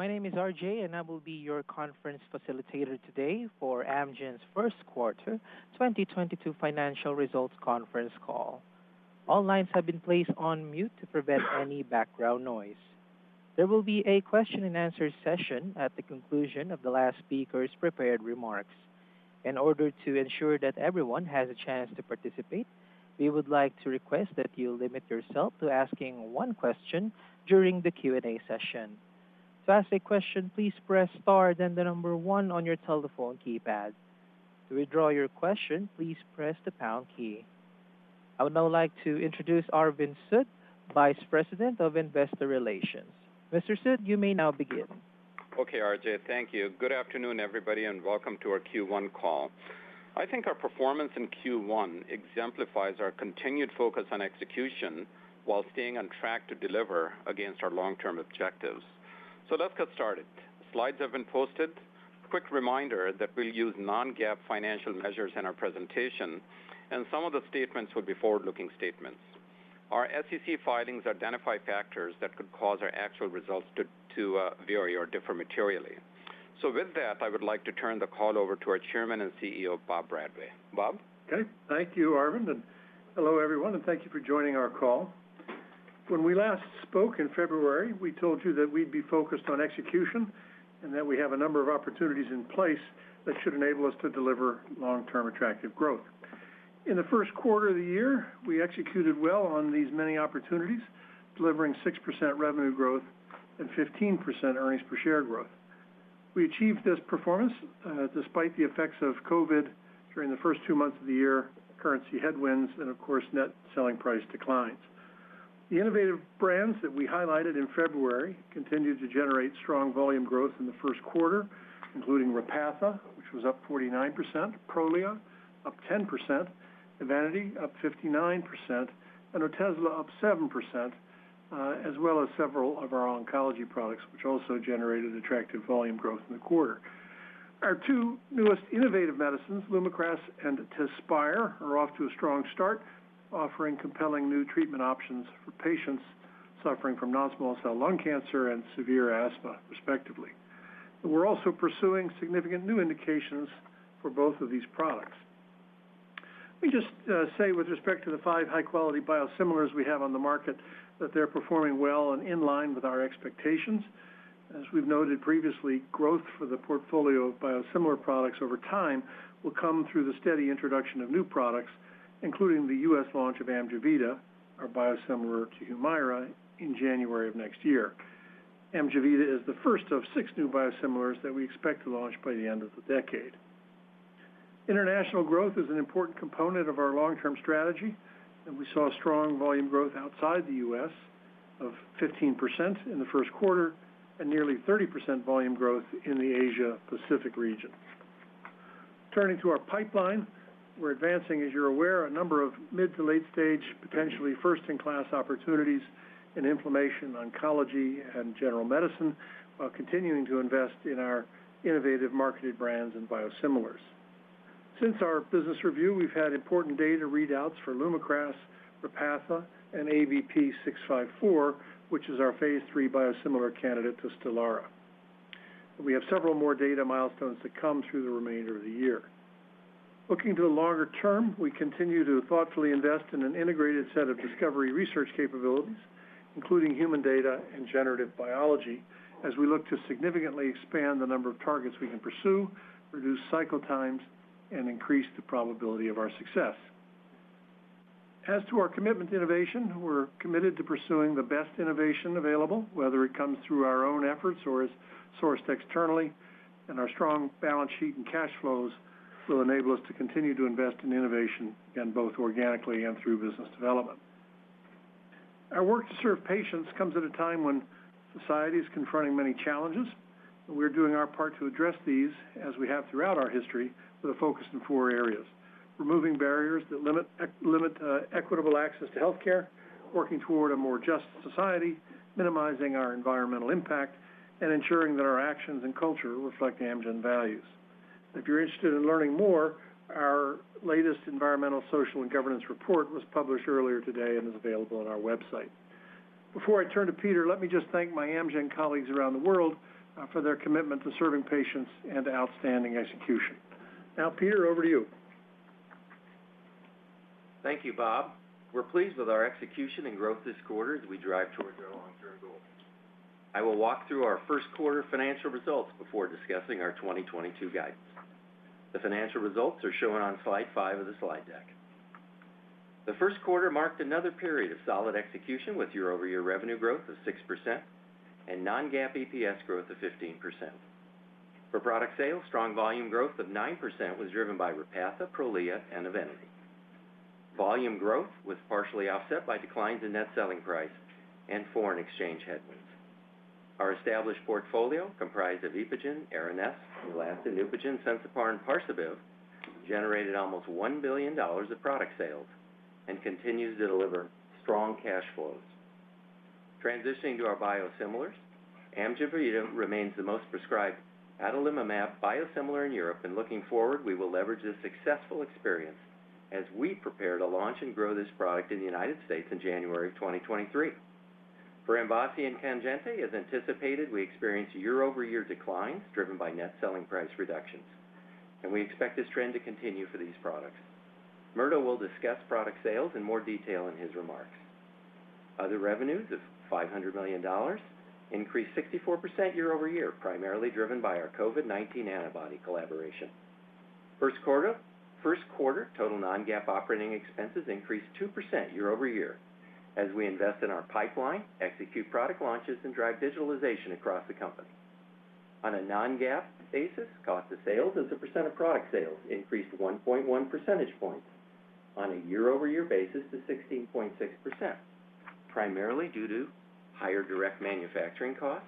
My name is RJ and I will be your conference facilitator today for Amgen's First Quarter 2022 Financial Results Conference Call. All lines have been placed on mute to prevent any background noise. There will be a question-and-answer session at the conclusion of the last speaker's prepared remarks. In order to ensure that everyone has a chance to participate, we would like to request that you limit yourself to asking one question during the Q&A session. To ask a question, please press star then the number one on your telephone keypad. To withdraw your question, please press the pound key. I would now like to introduce Arvind Sood, Vice President of Investor Relations. Mr. Sood, you may now begin. Okay, RJ. Thank you. Good afternoon, everybody, and welcome to our Q1 call. I think our performance in Q1 exemplifies our continued focus on execution while staying on track to deliver against our long-term objectives. Let's get started. Slides have been posted. Quick reminder that we'll use non-GAAP financial measures in our presentation, and some of the statements will be forward-looking statements. Our SEC filings identify factors that could cause our actual results to vary or differ materially. With that, I would like to turn the call over to our Chairman and CEO, Bob Bradway. Bob? Okay, thank you, Arvind, and hello, everyone, and thank you for joining our call. When we last spoke in February, we told you that we'd be focused on execution and that we have a number of opportunities in place that should enable us to deliver long-term attractive growth. In the first quarter of the year, we executed well on these many opportunities, delivering 6% revenue growth and 15% earnings per share growth. We achieved this performance despite the effects of COVID during the first two months of the year, currency headwinds, and of course, net selling price declines. The innovative brands that we highlighted in February continued to generate strong volume growth in the first quarter, including Repatha, which was up 49%, Prolia, up 10%, EVENITY, up 59%, and Otezla, up 7%, as well as several of our oncology products, which also generated attractive volume growth in the quarter. Our two newest innovative medicines, LUMAKRAS and TEZSPIRE, are off to a strong start, offering compelling new treatment options for patients suffering from non-small cell lung cancer and severe asthma, respectively. We're also pursuing significant new indications for both of these products. Let me just say with respect to the five high-quality biosimilars we have on the market, that they're performing well and in line with our expectations. As we've noted previously, growth for the portfolio of biosimilar products over time will come through the steady introduction of new products, including the U.S. launch of AMJEVITA, our biosimilar to HUMIRA, in January of next year. AMJEVITA is the first of six new biosimilars that we expect to launch by the end of the decade. International growth is an important component of our long-term strategy, and we saw strong volume growth outside the U.S. of 15% in the first quarter and nearly 30% volume growth in the Asia-Pacific region. Turning to our pipeline, we're advancing, as you're aware, a number of mid- to late-stage, potentially first-in-class opportunities in inflammation, oncology, and general medicine, while continuing to invest in our innovative marketed brands and biosimilars. Since our business review, we've had important data readouts for LUMAKRAS, Repatha, and ABP 654, which is our phase III biosimilar candidate to Stelara. We have several more data milestones that come through the remainder of the year. Looking to the longer term, we continue to thoughtfully invest in an integrated set of discovery research capabilities, including human data and generative biology, as we look to significantly expand the number of targets we can pursue, reduce cycle times, and increase the probability of our success. As to our commitment to innovation, we're committed to pursuing the best innovation available, whether it comes through our own efforts or is sourced externally, and our strong balance sheet and cash flows will enable us to continue to invest in innovation in both organically and through business development. Our work to serve patients comes at a time when society is confronting many challenges, and we're doing our part to address these, as we have throughout our history, with a focus in four areas, removing barriers that limit equitable access to healthcare, working toward a more just society, minimizing our environmental impact, and ensuring that our actions and culture reflect Amgen values. If you're interested in learning more, our latest environmental, social, and governance report was published earlier today and is available on our website. Before I turn to Peter, let me just thank my Amgen colleagues around the world, for their commitment to serving patients and outstanding execution. Now, Peter, over to you. Thank you, Bob. We're pleased with our execution and growth this quarter as we drive towards our long-term goals. I will walk through our first quarter financial results before discussing our 2022 guidance. The financial results are shown on slide 5 of the slide deck. The first quarter marked another period of solid execution with year-over-year revenue growth of 6% and non-GAAP EPS growth of 15%. For product sales, strong volume growth of 9% was driven by Repatha, Prolia, and EVENITY. Volume growth was partially offset by declines in net selling price and foreign exchange headwinds. Our established portfolio, comprised of EPOGEN, Aranesp, NEUPOGEN, Sensipar, and Parsabiv, generated almost $1 billion of product sales and continues to deliver strong cash flows. Transitioning to our biosimilars, AMJEVITA remains the most prescribed adalimumab biosimilar in Europe, and looking forward, we will leverage this successful experience. As we prepare to launch and grow this product in the United States in January of 2023. For MVASI and KANJINTI, as anticipated, we experienced year-over-year declines driven by net selling price reductions, and we expect this trend to continue for these products. Murdo will discuss product sales in more detail in his remarks. Other revenues of $500 million increased 64% year-over-year, primarily driven by our COVID-19 antibody collaboration. First quarter total non-GAAP operating expenses increased 2% year-over-year as we invest in our pipeline, execute product launches and drive digitalization across the company. On a non-GAAP basis, cost of sales as a percent of product sales increased 1.1 percentage points on a year-over-year basis to 16.6%, primarily due to higher direct manufacturing costs,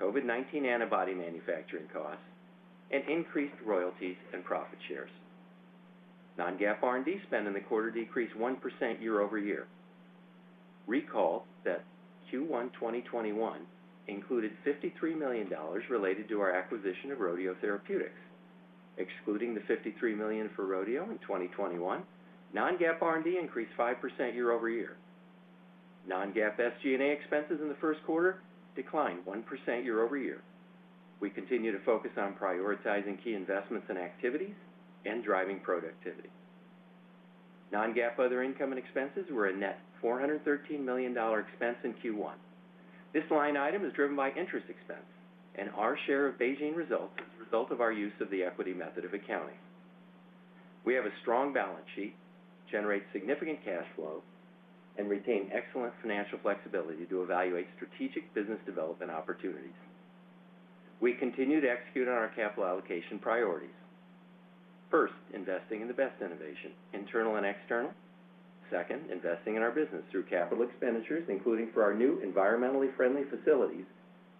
COVID-19 antibody manufacturing costs, and increased royalties and profit shares. Non-GAAP R&D spend in the quarter decreased 1% year-over-year. Recall that Q1 2021 included $53 million related to our acquisition of Rodeo Therapeutics. Excluding the $53 million for Rodeo in 2021, non-GAAP R&D increased 5% year-over-year. Non-GAAP SG&A expenses in the first quarter declined 1% year-over-year. We continue to focus on prioritizing key investments and activities and driving productivity. Non-GAAP other income and expenses were a net $413 million expense in Q1. This line item is driven by interest expense and our share of BeiGene results as a result of our use of the equity method of accounting. We have a strong balance sheet, generate significant cash flow, and retain excellent financial flexibility to evaluate strategic business development opportunities. We continue to execute on our capital allocation priorities. First, investing in the best innovation, internal and external. Second, investing in our business through capital expenditures, including for our new environmentally friendly facilities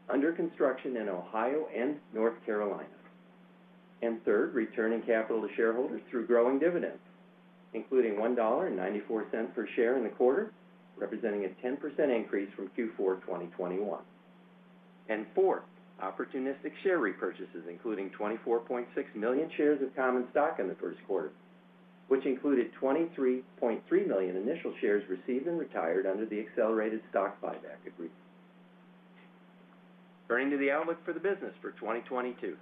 under construction in Ohio and North Carolina. Third, returning capital to shareholders through growing dividends, including $1.94 per share in the quarter, representing a 10% increase from Q4 2021. Fourth, opportunistic share repurchases, including 24.6 million shares of common stock in the first quarter, which included 23.3 million initial shares received and retired under the accelerated stock buyback agreement. Turning to the outlook for the business for 2022.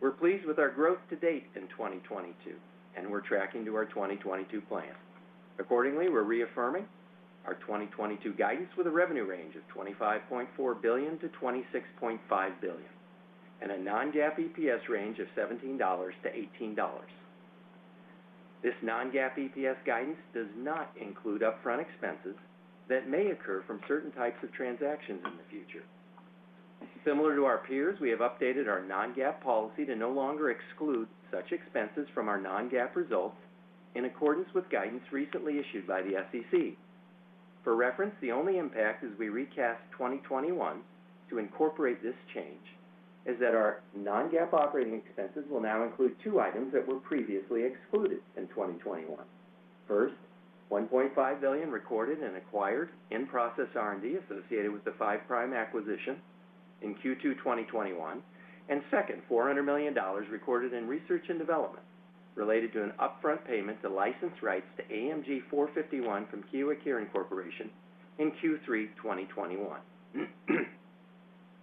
We're pleased with our growth to date in 2022 and we're tracking to our 2022 plan. Accordingly, we're reaffirming our 2022 guidance with a revenue range of $25.4 billion-$26.5 billion and a non-GAAP EPS range of $17-$18. This non-GAAP EPS guidance does not include upfront expenses that may occur from certain types of transactions in the future. Similar to our peers, we have updated our non-GAAP policy to no longer exclude such expenses from our non-GAAP results in accordance with guidance recently issued by the SEC. For reference, the only impact as we recast 2021 to incorporate this change is that our non-GAAP operating expenses will now include two items that were previously excluded in 2021. First, $1.5 billion recorded as acquired in-process R&D associated with the Five Prime acquisition in Q2 2021. Second, $400 million recorded in research and development related to an upfront payment to license rights to AMG 451 from Kyowa Kirin Co in Q3 2021.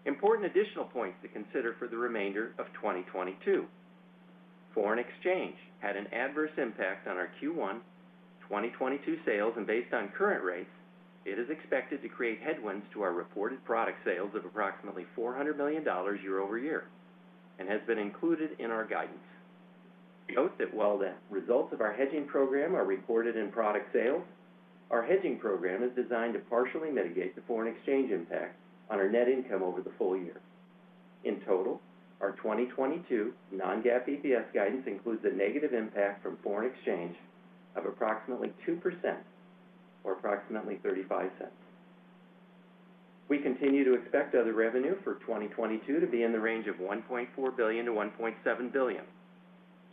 Important additional points to consider for the remainder of 2022. Foreign exchange had an adverse impact on our Q1 2022 sales, and based on current rates, it is expected to create headwinds to our reported product sales of approximately $400 million year-over-year and has been included in our guidance. We note that while the results of our hedging program are reported in product sales, our hedging program is designed to partially mitigate the foreign exchange impact on our net income over the full year. In total, our 2022 non-GAAP EPS guidance includes a negative impact from foreign exchange of approximately 2% or approximately $0.35. We continue to expect other revenue for 2022 to be in the range of $1.4 billion-$1.7 billion.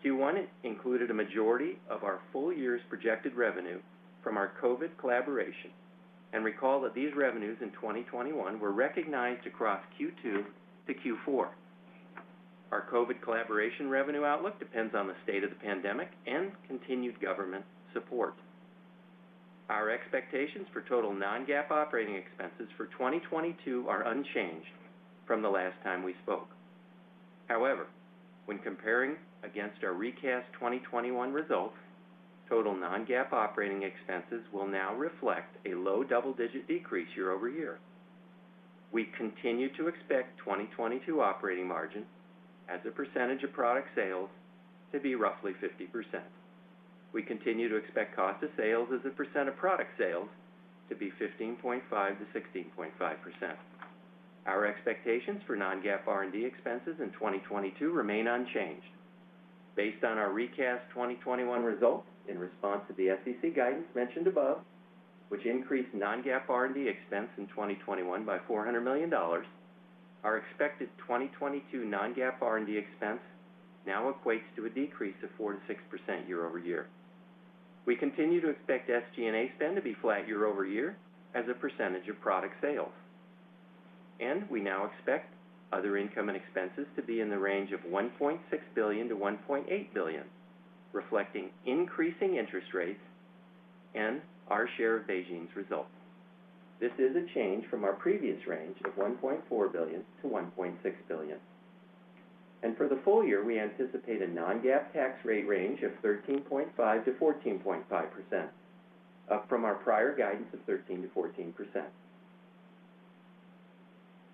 Q1 included a majority of our full year's projected revenue from our COVID collaboration, and recall that these revenues in 2021 were recognized across Q2 to Q4. Our COVID collaboration revenue outlook depends on the state of the pandemic and continued government support. Our expectations for total non-GAAP operating expenses for 2022 are unchanged from the last time we spoke. However, when comparing against our recast 2021 results, total non-GAAP operating expenses will now reflect a low-double-digit decrease year-over-year. We continue to expect 2022 operating margin as a percentage of product sales to be roughly 50%. We continue to expect cost of sales as a percent of product sales to be 15.5%-16.5%. Our expectations for non-GAAP R&D expenses in 2022 remain unchanged. Based on our recast 2021 results in response to the SEC guidance mentioned above, which increased non-GAAP R&D expense in 2021 by $400 million, our expected 2022 non-GAAP R&D expense now equates to a decrease of 4%-6% year-over-year. We continue to expect SG&A spend to be flat year-over-year as a percentage of product sales. We now expect other income and expenses to be in the range of $1.6 billion-$1.8 billion, reflecting increasing interest rates and our share of BeiGene's results. This is a change from our previous range of $1.4 billion-$1.6 billion. For the full year, we anticipate a non-GAAP tax rate range of 13.5%-14.5%, up from our prior guidance of 13%-14%.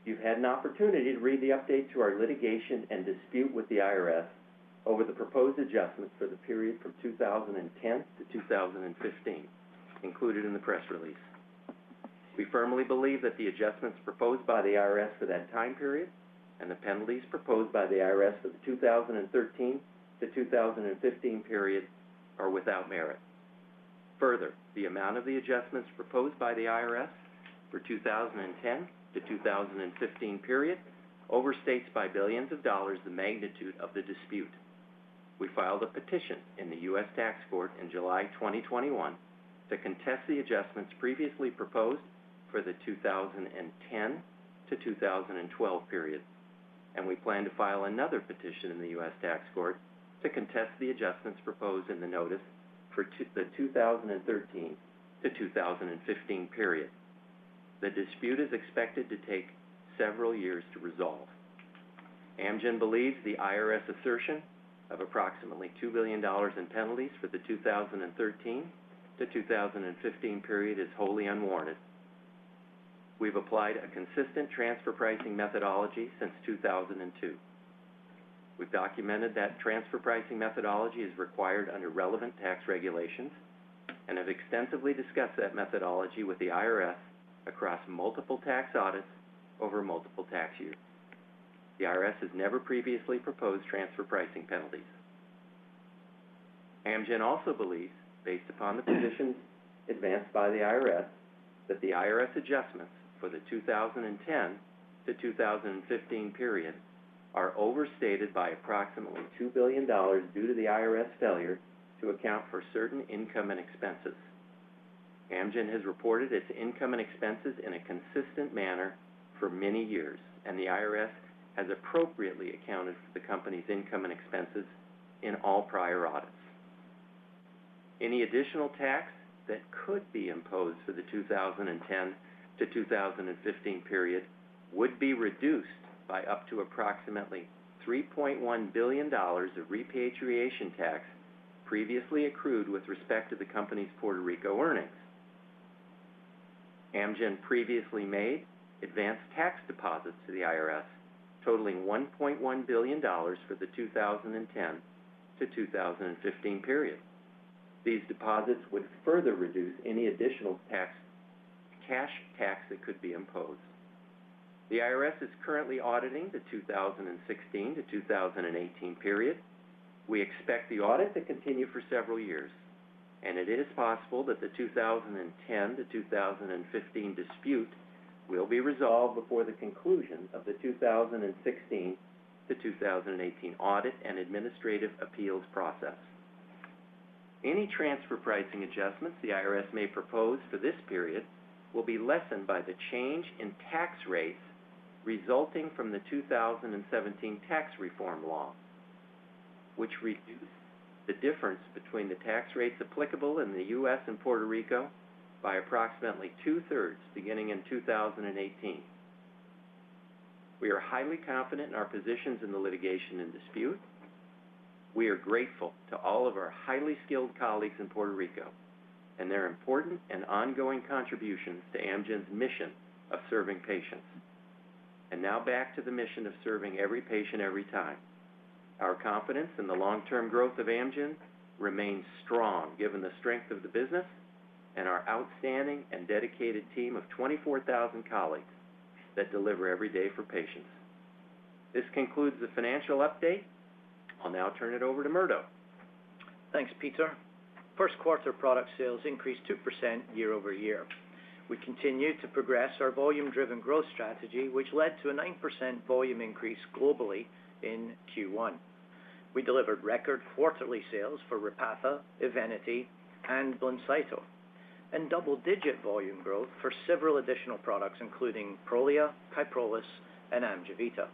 You've had an opportunity to read the update to our litigation and dispute with the IRS over the proposed adjustments for the period from 2010-2015 included in the press release. We firmly believe that the adjustments proposed by the IRS for that time period and the penalties proposed by the IRS for the 2013-2015 period are without merit. Further, the amount of the adjustments proposed by the IRS for 2010-2015 period overstates by billions of dollars the magnitude of the dispute. We filed a petition in the U.S. Tax Court in July 2021 to contest the adjustments previously proposed for the 2010-2012 period, and we plan to file another petition in the U.S. Tax Court to contest the adjustments proposed in the notice for the 2013-2015 period. The dispute is expected to take several years to resolve. Amgen believes the IRS assertion of approximately $2 billion in penalties for the 2013-2015 period is wholly unwarranted. We've applied a consistent transfer pricing methodology since 2002. We've documented that transfer pricing methodology as required under relevant tax regulations and have extensively discussed that methodology with the IRS across multiple tax audits over multiple tax years. The IRS has never previously proposed transfer pricing penalties. Amgen also believes, based upon the positions advanced by the IRS, that the IRS adjustments for the 2010-2015 period are overstated by approximately $2 billion due to the IRS failure to account for certain income and expenses. Amgen has reported its income and expenses in a consistent manner for many years, and the IRS has appropriately accounted for the company's income and expenses in all prior audits. Any additional tax that could be imposed for the 2010-2015 period would be reduced by up to approximately $3.1 billion of repatriation tax previously accrued with respect to the company's Puerto Rico earnings. Amgen previously made advanced tax deposits to the IRS totaling $1.1 billion for the 2010-2015 period. These deposits would further reduce any additional tax, cash tax that could be imposed. The IRS is currently auditing the 2016-2018 period. We expect the audit to continue for several years, and it is possible that the 2010-2015 dispute will be resolved before the conclusion of the 2016-2018 audit and administrative appeals process. Any transfer pricing adjustments the IRS may propose for this period will be lessened by the change in tax rates resulting from the 2017 tax reform law, which reduced the difference between the tax rates applicable in the U.S. and Puerto Rico by approximately two-thirds beginning in 2018. We are highly confident in our positions in the litigation and dispute. We are grateful to all of our highly skilled colleagues in Puerto Rico and their important and ongoing contributions to Amgen's mission of serving patients. Now back to the mission of serving every patient every time. Our confidence in the long-term growth of Amgen remains strong, given the strength of the business and our outstanding and dedicated team of 24,000 colleagues that deliver every day for patients. This concludes the financial update. I'll now turn it over to Murdo. Thanks, Peter. First quarter product sales increased 2% year-over-year. We continued to progress our volume-driven growth strategy, which led to a 9% volume increase globally in Q1. We delivered record quarterly sales for Repatha, EVENITY, and BLINCYTO, and double-digit volume growth for several additional products, including Prolia, KYPROLIS, and AMJEVITA.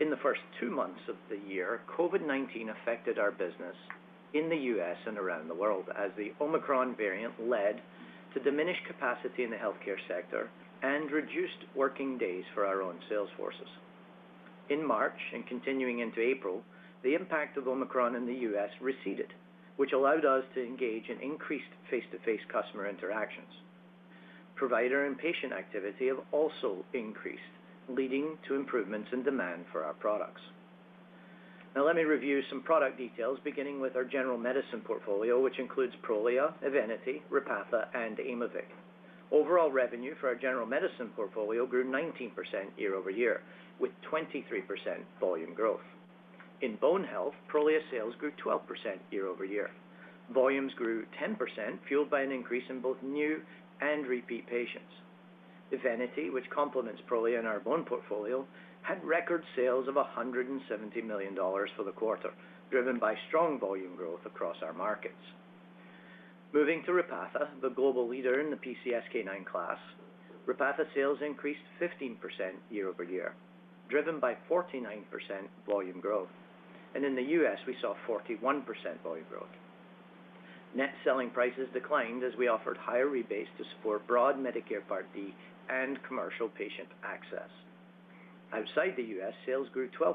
In the first two months of the year, COVID-19 affected our business in the U.S. and around the world as the Omicron variant led to diminished capacity in the healthcare sector and reduced working days for our own sales forces. In March and continuing into April, the impact of Omicron in the U.S. receded, which allowed us to engage in increased face-to-face customer interactions. Provider and patient activity have also increased, leading to improvements in demand for our products. Now let me review some product details, beginning with our general medicine portfolio, which includes Prolia, EVENITY, Repatha, and Aimovig. Overall revenue for our general medicine portfolio grew 19% year-over-year, with 23% volume growth. In Bone Health, Prolia sales grew 12% year-over-year. Volumes grew 10%, fueled by an increase in both new and repeat patients. EVENITY, which complements Prolia in our bone portfolio, had record sales of $170 million for the quarter, driven by strong volume growth across our markets. Moving to Repatha, the global leader in the PCSK9 class. Repatha sales increased 15% year-over-year, driven by 49% volume growth. In the U.S., we saw 41% volume growth. Net selling prices declined as we offered higher rebates to support broad Medicare Part D and commercial patient access. Outside the U.S., sales grew 12%,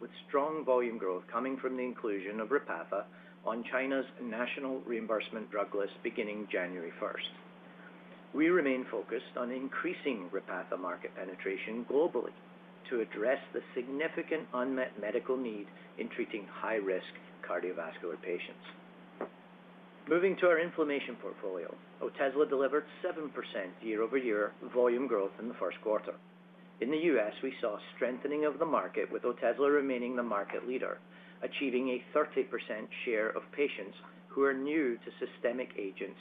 with strong volume growth coming from the inclusion of Repatha on China's national reimbursement drug list beginning January first. We remain focused on increasing Repatha market penetration globally to address the significant unmet medical need in treating high-risk cardiovascular patients. Moving to our inflammation portfolio, Otezla delivered 7% year-over-year volume growth in the first quarter. In the U.S., we saw strengthening of the market, with Otezla remaining the market leader, achieving a 30% share of patients who are new to systemic agents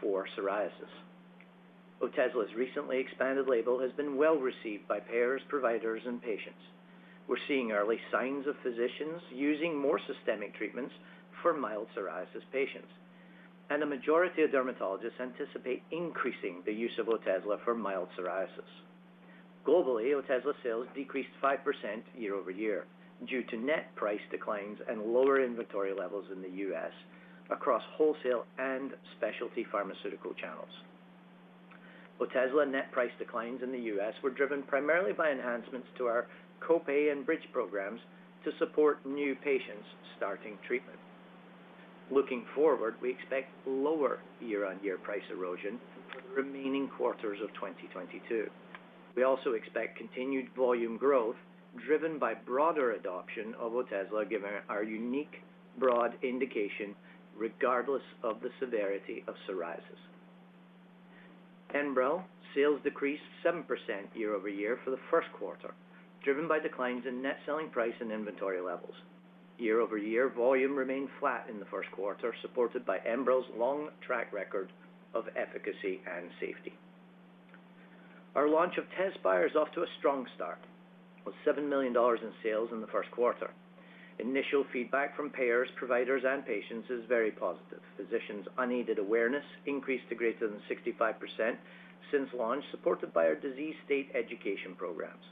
for psoriasis. Otezla's recently expanded label has been well-received by payers, providers, and patients. We're seeing early signs of physicians using more systemic treatments for mild psoriasis patients, and a majority of dermatologists anticipate increasing the use of Otezla for mild psoriasis. Globally, Otezla sales decreased 5% year-over-year due to net price declines and lower inventory levels in the U.S. across wholesale and specialty pharmaceutical channels. Otezla net price declines in the U.S. were driven primarily by enhancements to our copay and bridge programs to support new patients starting treatment. Looking forward, we expect lower year-on-year price erosion for the remaining quarters of 2022. We also expect continued volume growth driven by broader adoption of Otezla, given our unique broad indication regardless of the severity of psoriasis. ENBREL sales decreased 7% year-over-year for the first quarter, driven by declines in net selling price and inventory levels. Year-over-year volume remained flat in the first quarter, supported by ENBREL's long track record of efficacy and safety. Our launch of TEZSPIRE is off to a strong start, with $7 million in sales in the first quarter. Initial feedback from payers, providers, and patients is very positive. Physicians' unaided awareness increased to greater than 65% since launch, supported by our disease state education programs.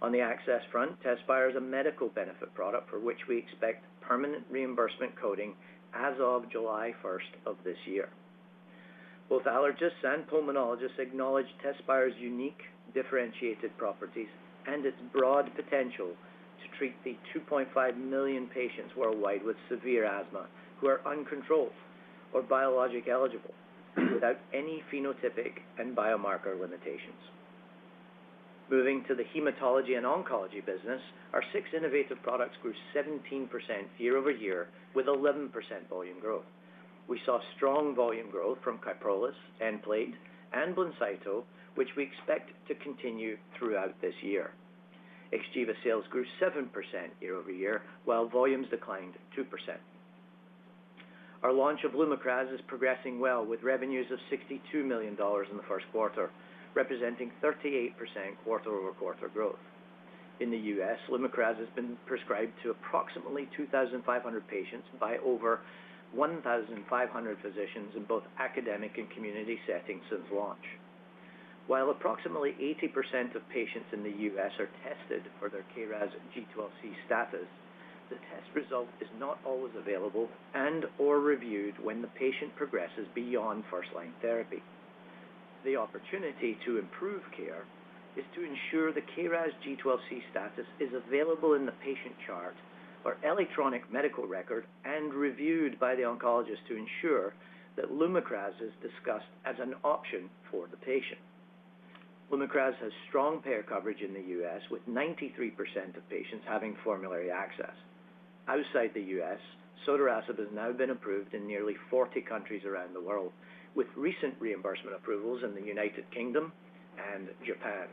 On the access front, TEZSPIRE is a medical benefit product for which we expect permanent reimbursement coding as of July 1st of this year. Both allergists and pulmonologists acknowledge TEZSPIRE's unique differentiated properties and its broad potential to treat the 2.5 million patients worldwide with severe asthma who are uncontrolled or biologic-eligible without any phenotypic and biomarker limitations. Moving to the hematology and oncology business, our six innovative products grew 17% year-over-year with 11% volume growth. We saw strong volume growth from Kyprolis, Nplate, and BLINCYTO, which we expect to continue throughout this year. XGEVA sales grew 7% year-over-year, while volumes declined 2%. Our launch of LUMAKRAS is progressing well, with revenues of $62 million in the first quarter, representing 38% quarter-over-quarter growth. In the U.S., LUMAKRAS has been prescribed to approximately 2,500 patients by over 1,500 physicians in both academic and community settings since launch. While approximately 80% of patients in the U.S. are tested for their KRAS G12C status, the test result is not always available and/or reviewed when the patient progresses beyond first-line therapy. The opportunity to improve care is to ensure the KRAS G12C status is available in the patient chart or electronic medical record and reviewed by the oncologist to ensure that LUMAKRAS is discussed as an option for the patient. LUMAKRAS has strong payer coverage in the U.S., with 93% of patients having formulary access. Outside the U.S., sotorasib has now been approved in nearly 40 countries around the world, with recent reimbursement approvals in the United Kingdom and Japan.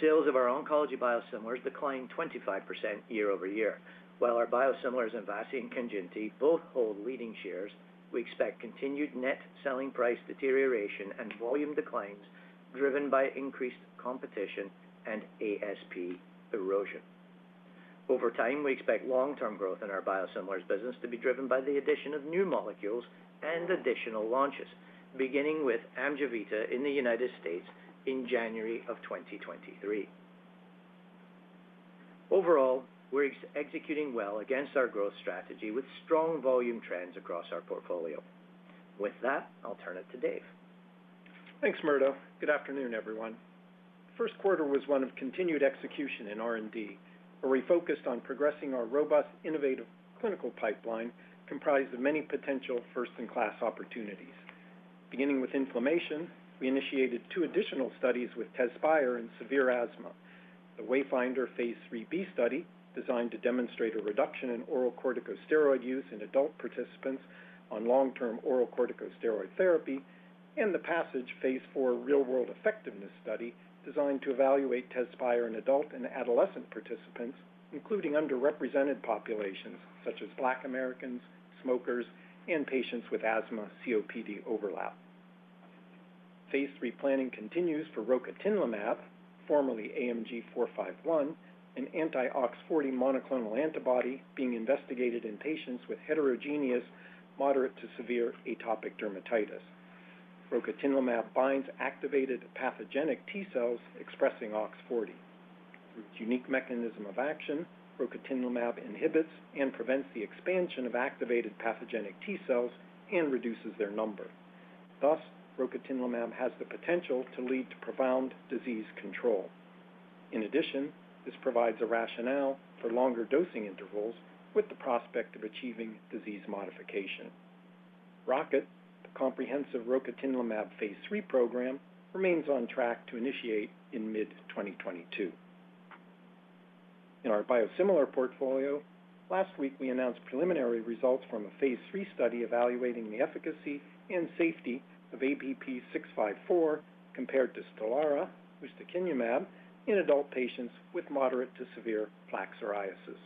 Sales of our oncology biosimilars declined 25% year-over-year. While our biosimilars MVASI and KANJINTI both hold leading shares, we expect continued net selling price deterioration and volume declines driven by increased competition and ASP erosion. Over time, we expect long-term growth in our biosimilars business to be driven by the addition of new molecules and additional launches, beginning with AMJEVITA in the United States in January 2023. Overall, we're executing well against our growth strategy with strong volume trends across our portfolio. With that, I'll turn it to Dave. Thanks, Murdo. Good afternoon, everyone. First quarter was one of continued execution in R&D, where we focused on progressing our robust, innovative clinical pipeline comprised of many potential first-in-class opportunities. Beginning with inflammation, we initiated two additional studies with TEZSPIRE in severe asthma. The WAYFINDER phase III-B study, designed to demonstrate a reduction in oral corticosteroid use in adult participants on long-term oral corticosteroid therapy, and the PASSAGE phase IV real-world effectiveness study designed to evaluate TEZSPIRE in adult and adolescent participants, including underrepresented populations such as Black Americans, smokers, and patients with asthma COPD overlap. Phase III planning continues for rocatinlimab, formerly AMG 451, an anti-OX40 monoclonal antibody being investigated in patients with heterogeneous moderate to severe atopic dermatitis. Rocatinlimab binds activated pathogenic T cells expressing OX40. With unique mechanism of action, rocatinlimab inhibits and prevents the expansion of activated pathogenic T cells and reduces their number. Thus, rocatinlimab has the potential to lead to profound disease control. In addition, this provides a rationale for longer dosing intervals with the prospect of achieving disease modification. ROCKET, the comprehensive rocatinlimab phase III program, remains on track to initiate in mid-2022. In our biosimilar portfolio, last week we announced preliminary results from a phase III study evaluating the efficacy and safety of ABP 654 compared to Stelara, ustekinumab, in adult patients with moderate to severe plaque psoriasis.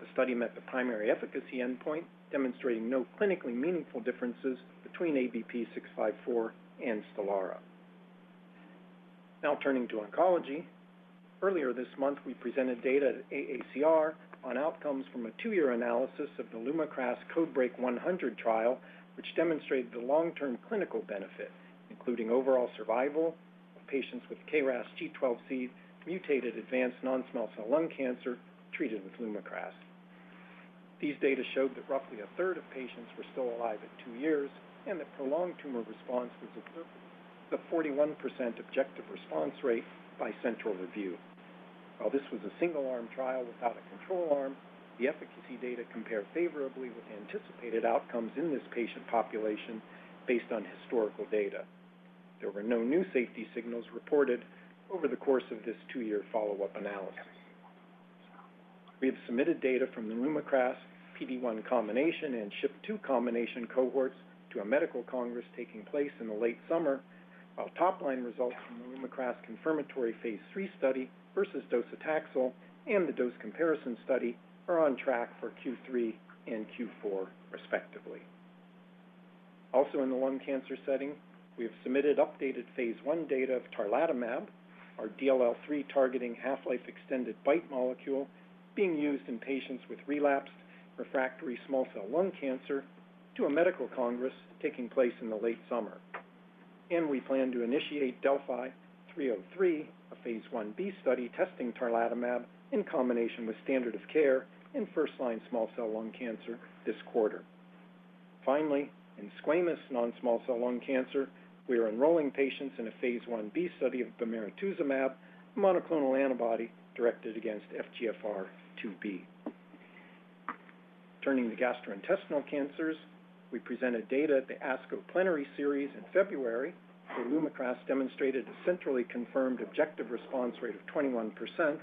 The study met the primary efficacy endpoint, demonstrating no clinically meaningful differences between ABP 654 and Stelara. Now turning to oncology. Earlier this month, we presented data at AACR on outcomes from a two-year analysis of the LUMAKRAS CodeBreaK 100 trial, which demonstrated the long-term clinical benefit, including overall survival of patients with KRAS G12C-mutated advanced non-small cell lung cancer treated with LUMAKRAS. These data showed that roughly a third of patients were still alive at two years and that prolonged tumor response was observed with a 41% objective response rate by central review. While this was a single-arm trial without a control arm, the efficacy data compared favorably with anticipated outcomes in this patient population based on historical data. There were no new safety signals reported over the course of this two-year follow-up analysis. We have submitted data from the LUMAKRAS PD-1 combination and SHP2 combination cohorts to a medical congress taking place in the late summer, while top-line results from the LUMAKRAS confirmatory phase III study versus docetaxel and the dose comparison study are on track for Q3 and Q4 respectively. Also in the lung cancer setting, we have submitted updated phase I data of tarlatamab, our DLL3 targeting half-life extended BiTE molecule being used in patients with relapsed refractory small cell lung cancer to a medical congress taking place in the late summer. We plan to initiate DeLLphi-303, a phase I-B study testing tarlatamab in combination with standard of care in first-line small cell lung cancer this quarter. Finally, in squamous non-small cell lung cancer, we are enrolling patients in a phase I-B study of bemarituzumab, a monoclonal antibody directed against FGFR2b. Turning to gastrointestinal cancers, we presented data at the ASCO Plenary Series in February where LUMAKRAS demonstrated a centrally confirmed objective response rate of 21%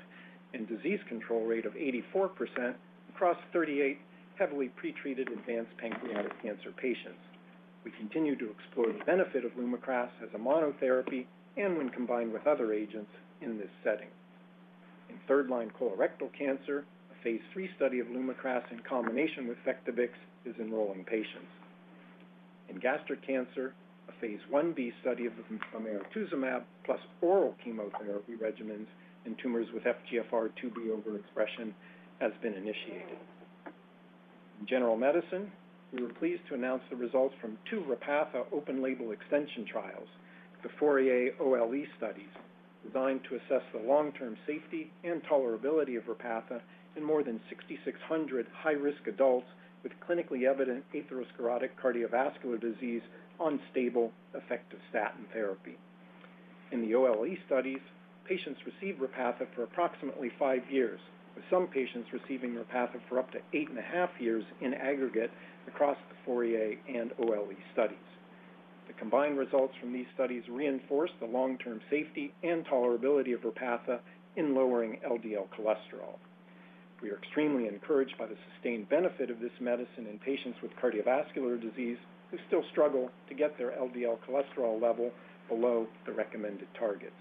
and disease control rate of 84% across 38 heavily pretreated advanced pancreatic cancer patients. We continue to explore the benefit of LUMAKRAS as a monotherapy and when combined with other agents in this setting. In third-line colorectal cancer, a phase III study of LUMAKRAS in combination with Vectibix is enrolling patients. In gastric cancer, a phase I-B study of bemarituzumab plus oral chemotherapy regimens in tumors with FGFR2b overexpression has been initiated. In general medicine, we were pleased to announce the results from two Repatha open-label extension trials. The FOURIER-OLE studies, designed to assess the long-term safety and tolerability of Repatha in more than 6,600 high-risk adults with clinically evident atherosclerotic cardiovascular disease on effective statin therapy. In the OLE studies, patients received Repatha for approximately five years, with some patients receiving Repatha for up to 8.5 years in aggregate across the FOURIER and OLE studies. The combined results from these studies reinforce the long-term safety and tolerability of Repatha in lowering LDL cholesterol. We are extremely encouraged by the sustained benefit of this medicine in patients with cardiovascular disease who still struggle to get their LDL cholesterol level below the recommended targets.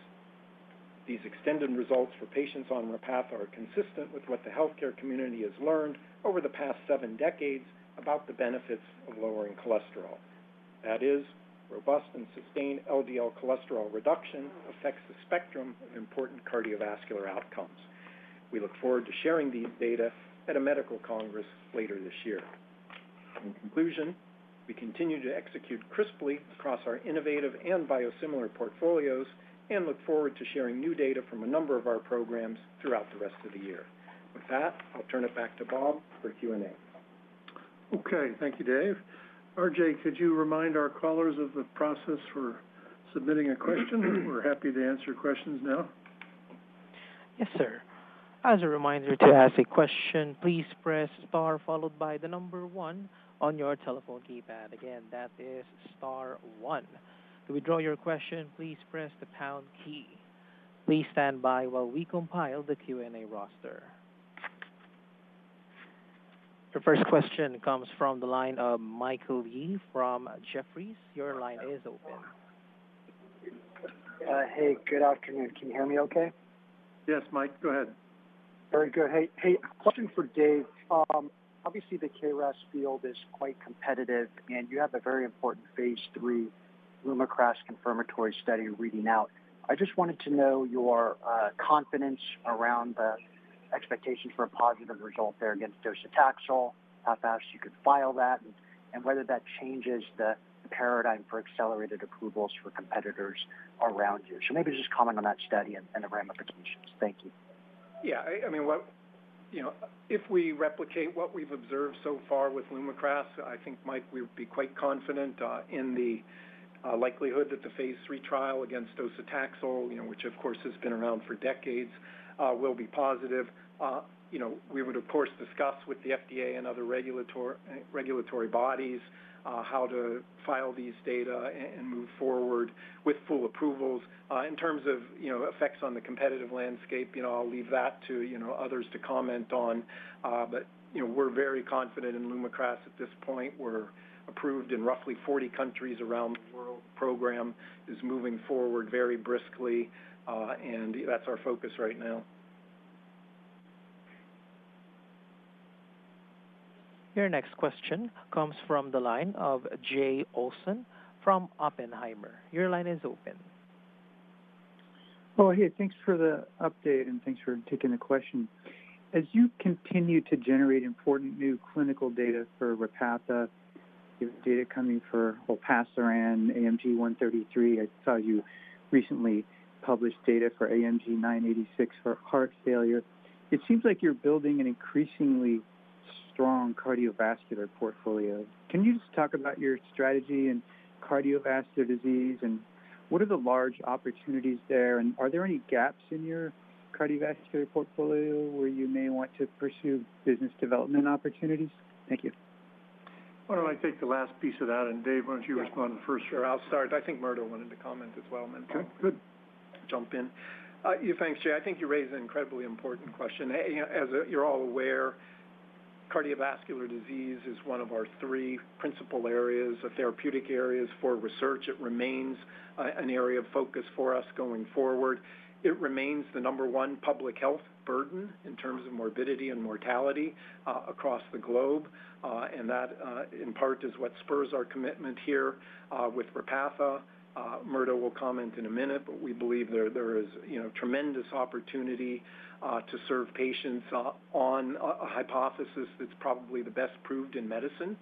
These extended results for patients on Repatha are consistent with what the healthcare community has learned over the past seven decades about the benefits of lowering cholesterol. That is, robust and sustained LDL cholesterol reduction affects the spectrum of important cardiovascular outcomes. We look forward to sharing these data at a medical congress later this year. In conclusion, we continue to execute crisply across our innovative and biosimilar portfolios and look forward to sharing new data from a number of our programs throughout the rest of the year. With that, I'll turn it back to Bob for Q&A. Okay. Thank you, Dave. RJ, could you remind our callers of the process for submitting a question? We're happy to answer questions now. Yes, sir. As a reminder, to ask a question, please press star followed by the number one on your telephone keypad. Again, that is star one. To withdraw your question, please press the pound key. Please stand by while we compile the Q&A roster. The first question comes from the line of Michael Yee from Jefferies. Your line is open. Hey, good afternoon. Can you hear me okay? Yes, Mike, go ahead. Very good. Hey, a question for Dave. Obviously the KRAS field is quite competitive, and you have a very important phase III LUMAKRAS confirmatory study reading out. I just wanted to know your confidence around the expectations for a positive result there against docetaxel, how fast you could file that, and whether that changes the paradigm for accelerated approvals for competitors around you. Maybe just comment on that study and the ramifications. Thank you. I mean, you know, if we replicate what we've observed so far with LUMAKRAS, I think, Mike, we would be quite confident in the likelihood that the phase III trial against docetaxel, you know, which of course has been around for decades, will be positive. You know, we would of course discuss with the FDA and other regulatory bodies how to file these data and move forward with full approvals. In terms of, you know, effects on the competitive landscape, you know, I'll leave that to, you know, others to comment on. You know, we're very confident in LUMAKRAS at this point. We're approved in roughly 40 countries around the world. Program is moving forward very briskly, and that's our focus right now. Your next question comes from the line of Jay Olson from Oppenheimer. Your line is open. Oh, hey, thanks for the update and thanks for taking the question. As you continue to generate important new clinical data for Repatha, you have data coming for olpasiran, AMG 133. I saw you recently published data for AMG 986 for heart failure. It seems like you're building an increasingly strong cardiovascular portfolio. Can you just talk about your strategy in cardiovascular disease, and what are the large opportunities there? Are there any gaps in your cardiovascular portfolio where you may want to pursue business development opportunities? Thank you. Why don't I take the last piece of that? Dave, why don't you respond first? Sure, I'll start. I think Murdo wanted to comment as well. Okay, good. Yeah, thanks, Jay. I think you raise an incredibly important question. As you're all aware, cardiovascular disease is one of our three principal areas of therapeutic areas for research. It remains an area of focus for us going forward. It remains the number one public health burden in terms of morbidity and mortality across the globe. That in part is what spurs our commitment here with Repatha. Murdo will comment in a minute, but we believe there is, you know, tremendous opportunity to serve patients on a hypothesis that's probably the best proved in medicine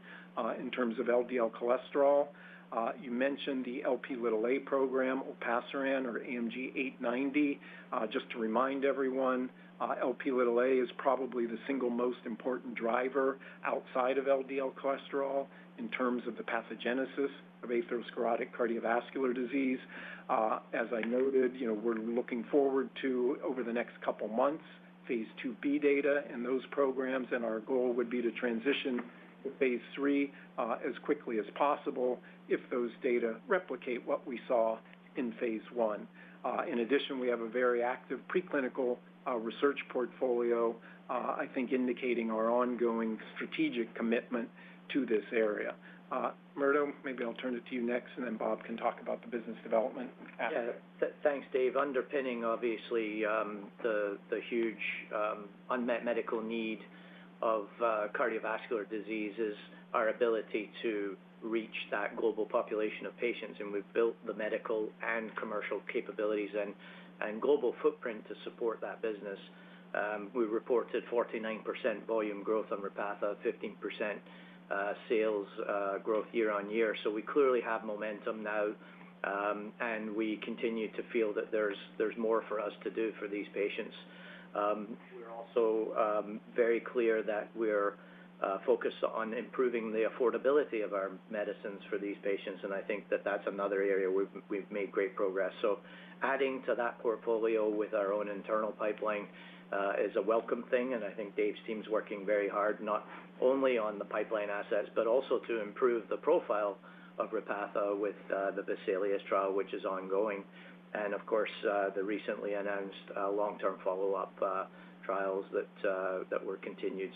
in terms of LDL cholesterol. You mentioned the Lp(a) program, olpasiran or AMG 890. Just to remind everyone, Lp(a) is probably the single most important driver outside of LDL cholesterol in terms of the pathogenesis of atherosclerotic cardiovascular disease. As I noted, you know, we're looking forward to, over the next couple months, phase II-B data in those programs, and our goal would be to transition to phase III, as quickly as possible if those data replicate what we saw in phase I. In addition, we have a very active preclinical research portfolio, I think indicating our ongoing strategic commitment to this area. Murdo, maybe I'll turn it to you next, and then Bob can talk about the business development after. Yeah. Thanks, Dave. Underpinning obviously the huge unmet medical need of cardiovascular disease is our ability to reach that global population of patients, and we've built the medical and commercial capabilities and global footprint to support that business. We reported 49% volume growth on Repatha, 15% sales growth year-over-year. We clearly have momentum now, and we continue to feel that there's more for us to do for these patients. We're also very clear that we're focused on improving the affordability of our medicines for these patients, and I think that that's another area we've made great progress. Adding to that portfolio with our own internal pipeline is a welcome thing, and I think Dave's team's working very hard, not only on the pipeline assets, but also to improve the profile of Repatha with the VESALIUS-CV trial, which is ongoing and of course the recently announced long-term follow-up trials that were continued.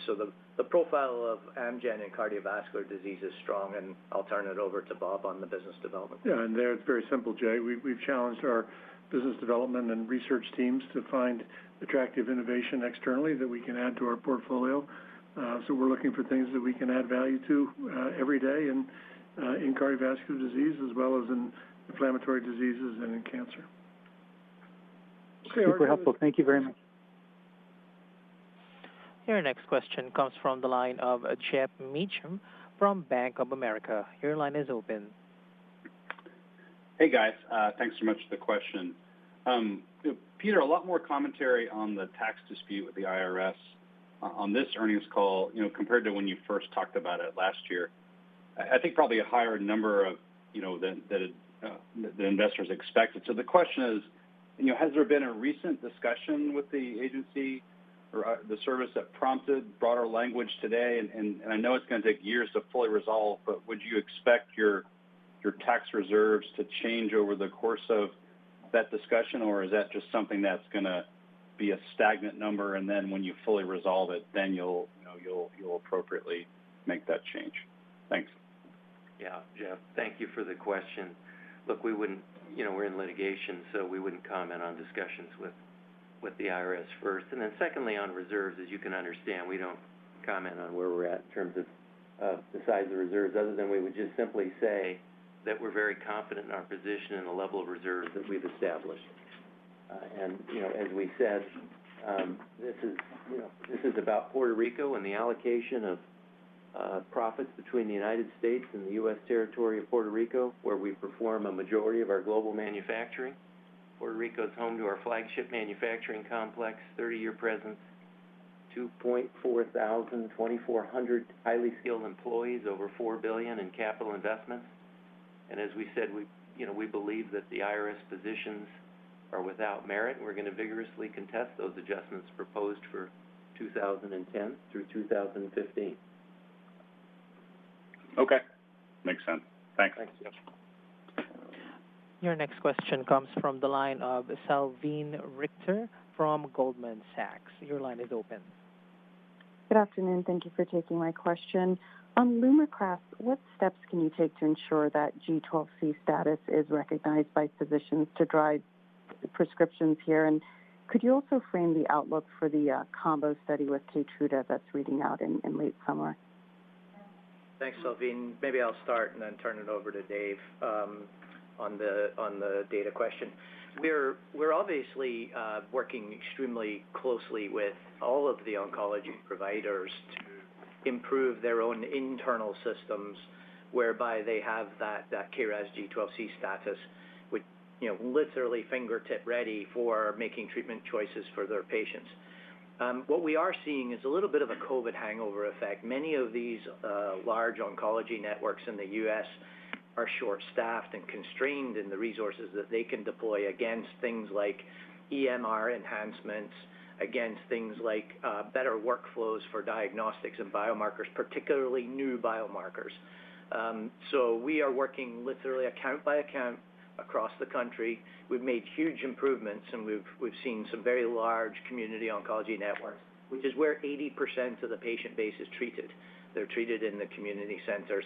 The profile of Amgen in cardiovascular disease is strong, and I'll turn it over to Bob on the business development. Yeah, there it's very simple, Jay. We've challenged our business development and research teams to find attractive innovation externally that we can add to our portfolio. We're looking for things that we can add value to every day in cardiovascular disease as well as in inflammatory diseases and in cancer. Super helpful. Thank you very much. Your next question comes from the line of Geoff Meacham from Bank of America. Your line is open. Hey, guys. Thanks so much for the question. Peter, a lot more commentary on the tax dispute with the IRS on this earnings call, you know, compared to when you first talked about it last year. I think probably a higher number of, you know, that the investors expected. The question is, you know, has there been a recent discussion with the agency or the service that prompted broader language today? I know it's gonna take years to fully resolve, but would you expect your tax reserves to change over the course of that discussion, or is that just something that's gonna be a stagnant number, and then when you fully resolve it, then you'll, you know, you'll appropriately make that change? Thanks. Yeah, Geoff, thank you for the question. Look, we wouldn't, you know, we're in litigation, so we wouldn't comment on discussions with the IRS first. Then secondly, on reserves, as you can understand, we don't comment on where we're at in terms of the size of the reserves other than we would just simply say that we're very confident in our position and the level of reserves that we've established. And, you know, as we said, this is about Puerto Rico and the allocation of profits between the United States and the U.S. territory of Puerto Rico, where we perform a majority of our global manufacturing. Puerto Rico is home to our flagship manufacturing complex, 30-year presence, 2,400 highly skilled employees, over $4 billion in capital investments. As we said, you know, we believe that the IRS positions are without merit, and we're gonna vigorously contest those adjustments proposed for 2010 through 2015. Okay. Makes sense. Thanks. Thanks, Geoff. Your next question comes from the line of Salveen Richter from Goldman Sachs. Your line is open. Good afternoon. Thank you for taking my question. On LUMAKRAS, what steps can you take to ensure that G12C status is recognized by physicians to drive prescriptions here? Could you also frame the outlook for the combo study with KEYTRUDA that's reading out in late summer? Thanks, Salveen. Maybe I'll start and then turn it over to Dave on the data question. We're obviously working extremely closely with all of the oncology providers to improve their own internal systems, whereby they have that KRAS G12C status with, you know, literally fingertip ready for making treatment choices for their patients. What we are seeing is a little bit of a COVID hangover effect. Many of these large oncology networks in the U.S. are short-staffed and constrained in the resources that they can deploy against things like EMR enhancements, against things like better workflows for diagnostics and biomarkers, particularly new biomarkers. We are working literally account by account across the country. We've made huge improvements, and we've seen some very large community oncology networks, which is where 80% of the patient base is treated. They're treated in the community centers.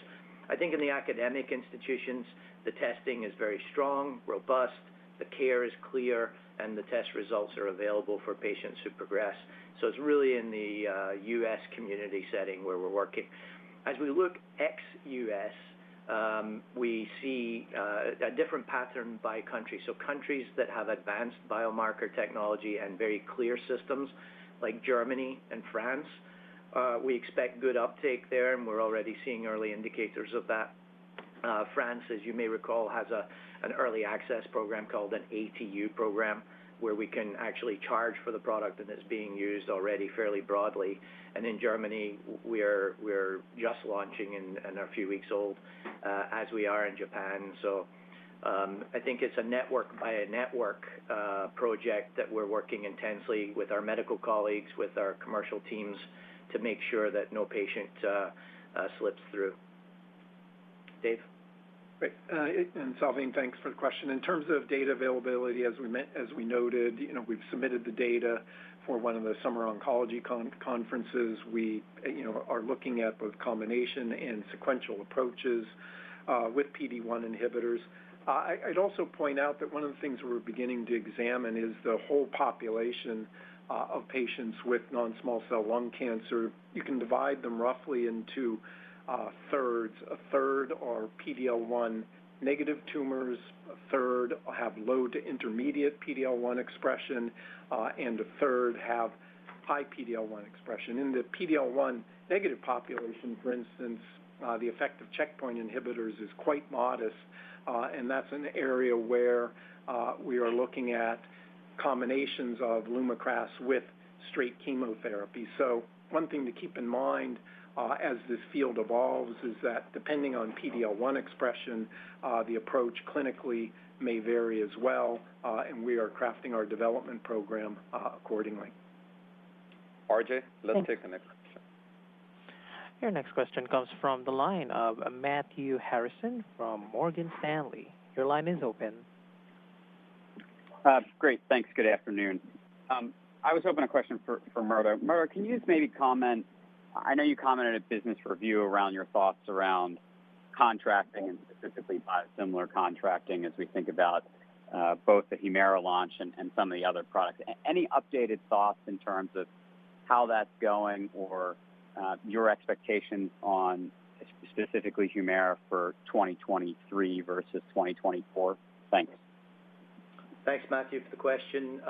I think in the academic institutions, the testing is very strong, robust, the care is clear, and the test results are available for patients who progress. It's really in the U.S. community setting where we're working. As we look ex-U.S., we see a different pattern by country. Countries that have advanced biomarker technology and very clear systems like Germany and France, we expect good uptake there, and we're already seeing early indicators of that. France, as you may recall, has an early access program called an ATU program, where we can actually charge for the product, and it's being used already fairly broadly. In Germany, we're just launching and are a few weeks old, as we are in Japan. I think it's a network by a network project that we're working intensely with our medical colleagues, with our commercial teams to make sure that no patient slips through. Dave? Great. Salveen, thanks for the question. In terms of data availability, as we noted, you know, we've submitted the data for one of the summer oncology conferences we, you know, are looking at both combination and sequential approaches with PD-1 inhibitors. I'd also point out that one of the things we're beginning to examine is the whole population of patients with non-small cell lung cancer. You can divide them roughly into thirds, a third are PD-L1 negative tumors, a third have low to intermediate PD-L1 expression, and a third have high PD-L1 expression. In the PD-L1 negative population, for instance, the effect of checkpoint inhibitors is quite modest, and that's an area where we are looking at combinations of LUMAKRAS with straight chemotherapy. One thing to keep in mind, as this field evolves is that depending on PD-L1 expression, the approach clinically may vary as well, and we are crafting our development program, accordingly. RJ, let's take the next question. Your next question comes from the line of Matthew Harrison from Morgan Stanley. Your line is open. Great, thanks. Good afternoon. I was hoping a question for Murdo. Murdo, can you just maybe comment. I know you commented in business review around your thoughts around contracting and specifically biosimilar contracting as we think about both the HUMIRA launch and some of the other products. Any updated thoughts in terms of how that's going or your expectations on specifically HUMIRA for 2023 versus 2024? Thanks. Thanks, Matthew, for the question.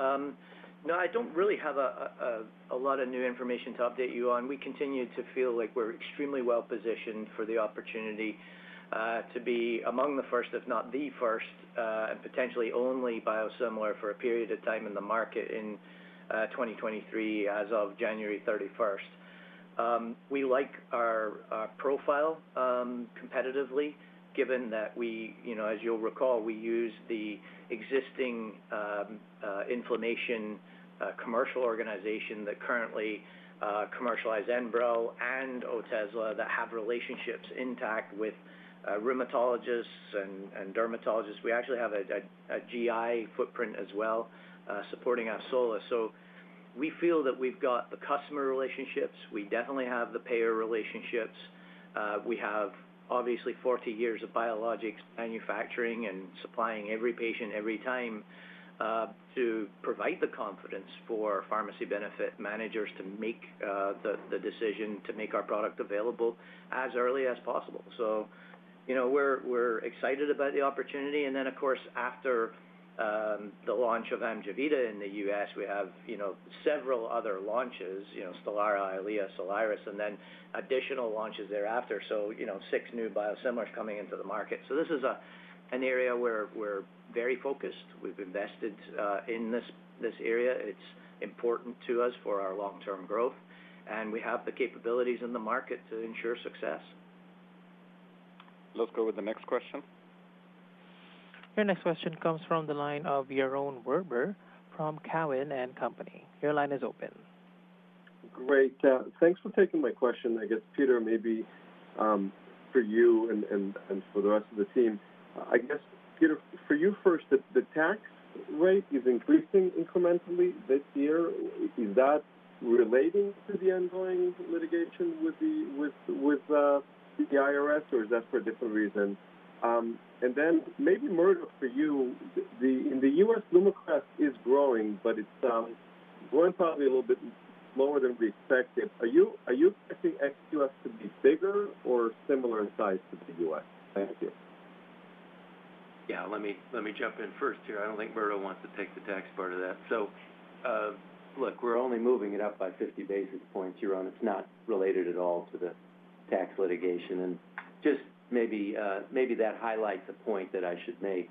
No, I don't really have a lot of new information to update you on. We continue to feel like we're extremely well-positioned for the opportunity to be among the first, if not the first, and potentially only biosimilar for a period of time in the market in 2023 as of January 31st. We like our profile competitively, given that we, you know, as you'll recall, we use the existing inflammation commercial organization that currently commercialize ENBREL and Otezla that have relationships intact with rheumatologists and dermatologists. We actually have a GI footprint as well supporting Otezla. We feel that we've got the customer relationships. We definitely have the payer relationships. We have obviously 40 years of biologics manufacturing and supplying every patient every time to provide the confidence for pharmacy benefit managers to make the decision to make our product available as early as possible. You know, we're excited about the opportunity. Of course, after the launch of AMJEVITA in the U.S., we have, you know, several other launches, you know, Stelara, EYLEA, Soliris, and then additional launches thereafter. You know, six new biosimilars coming into the market. This is an area where we're very focused. We've invested in this area. It's important to us for our long-term growth, and we have the capabilities in the market to ensure success. Let's go with the next question. Your next question comes from the line of Yaron Werber from Cowen and Company. Your line is open. Great. Thanks for taking my question. I guess, Peter, maybe, for you and for the rest of the team. I guess, Peter, for you first, the tax rate is increasing incrementally this year. Is that relating to the ongoing litigation with the IRS, or is that for a different reason? Maybe Murdo for you, in the U.S., LUMAKRAS is growing, but it's growing probably a little bit slower than we expected. Are you expecting ex-U.S. to be bigger or similar in size to the U.S.? Thank you. Let me jump in first here. I don't think Murdo wants to take the tax part of that. Look, we're only moving it up by 50 basis points, Yaron. It's not related at all to the tax litigation. Just maybe that highlights a point that I should make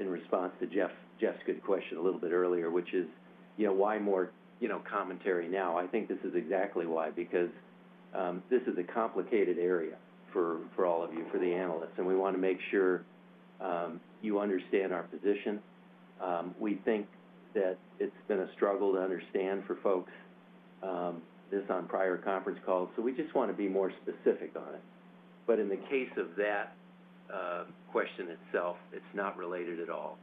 in response to Jeff's question a little bit earlier, which is, you know, why more, you know, commentary now? I think this is exactly why, because this is a complicated area for all of you, for the analysts, and we wanna make sure you understand our position. We think that it's been a struggle to understand for folks this on prior conference calls, so we just wanna be more specific on it. In the case of that question itself, it's not related at all.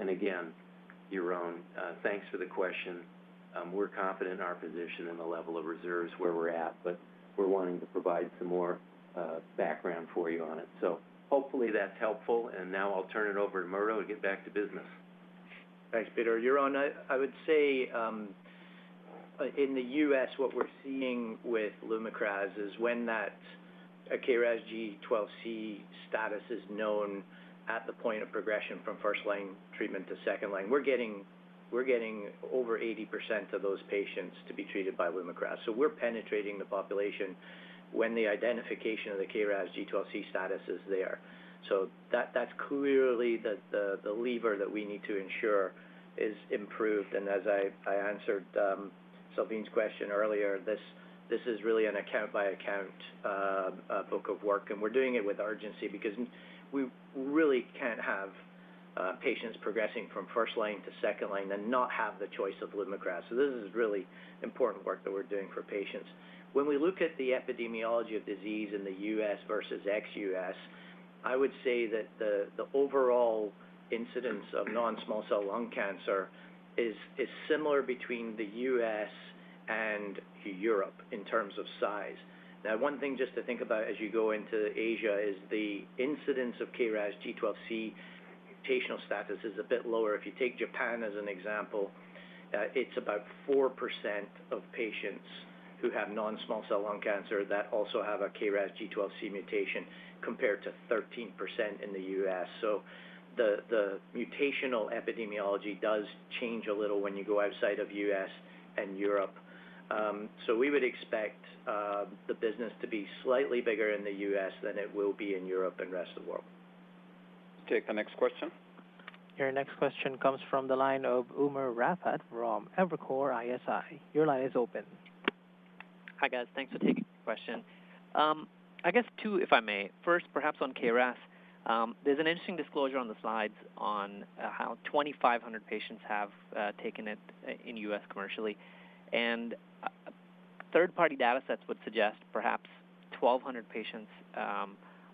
Again, Yaron, thanks for the question. We're confident in our position and the level of reserves where we're at, but we're wanting to provide some more background for you on it. Hopefully that's helpful. Now I'll turn it over to Murdo and get back to business. Thanks, Peter. Yaron, I would say in the US, what we're seeing with LUMAKRAS is when that KRAS G12C status is known at the point of progression from first line treatment to second line. We're getting over 80% of those patients to be treated by LUMAKRAS. We're penetrating the population when the identification of the KRAS G12C status is there. That's clearly the lever that we need to ensure is improved. As I answered Salveen's question earlier, this is really an account by account book of work, and we're doing it with urgency because we really can't have patients progressing from first line to second line and not have the choice of LUMAKRAS. This is really important work that we're doing for patients. When we look at the epidemiology of disease in the U.S. versus ex-U.S., I would say that the overall incidence of non-small cell lung cancer is similar between the U.S. and Europe in terms of size. Now, one thing just to think about as you go into Asia is the incidence of KRAS G12C mutational status is a bit lower. If you take Japan as an example, it's about 4% of patients who have non-small cell lung cancer that also have a KRAS G12C mutation, compared to 13% in the U.S. So the mutational epidemiology does change a little when you go outside of U.S. and Europe. We would expect the business to be slightly bigger in the U.S. than it will be in Europe and rest of the world. Take the next question. Your next question comes from the line of Umer Raffat from Evercore ISI. Your line is open. Hi, guys. Thanks for taking the question. I guess two, if I may. First, perhaps on KRAS. There's an interesting disclosure on the slides on how 2,500 patients have taken it in U.S. commercially. Third-party datasets would suggest perhaps 1,200 patients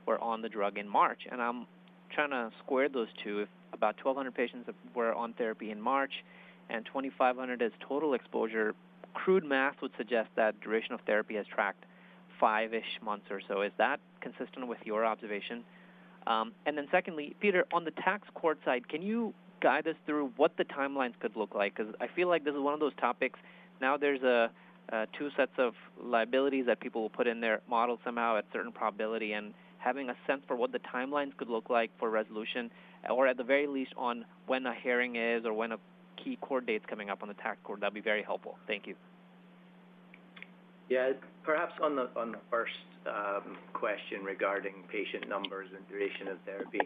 were on the drug in March, and I'm trying to square those two. If about 1,200 patients were on therapy in March and 2,500 is total exposure, crude math would suggest that duration of therapy has tracked five-ish months or so. Is that consistent with your observation? Then secondly, Peter, on the Tax Court side, can you guide us through what the timelines could look like? 'Cause I feel like this is one of those topics. Now there's two sets of liabilities that people will put in their model somehow at certain probability, and having a sense for what the timelines could look like for resolution or at the very least on when a hearing is or when a key court date's coming up on the Tax Court, that'd be very helpful. Thank you. Yeah. Perhaps on the first question regarding patient numbers and duration of therapy,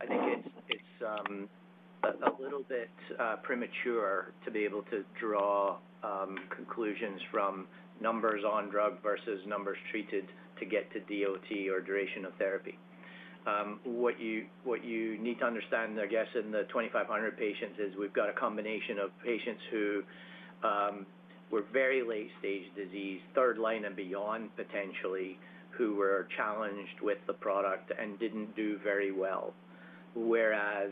I think it's a little bit premature to be able to draw conclusions from numbers on drug versus numbers treated to get to DOT or duration of therapy. What you need to understand, I guess, in the 2,500 patients is we've got a combination of patients who were very late-stage disease, third-line and beyond potentially, who were challenged with the product and didn't do very well. Whereas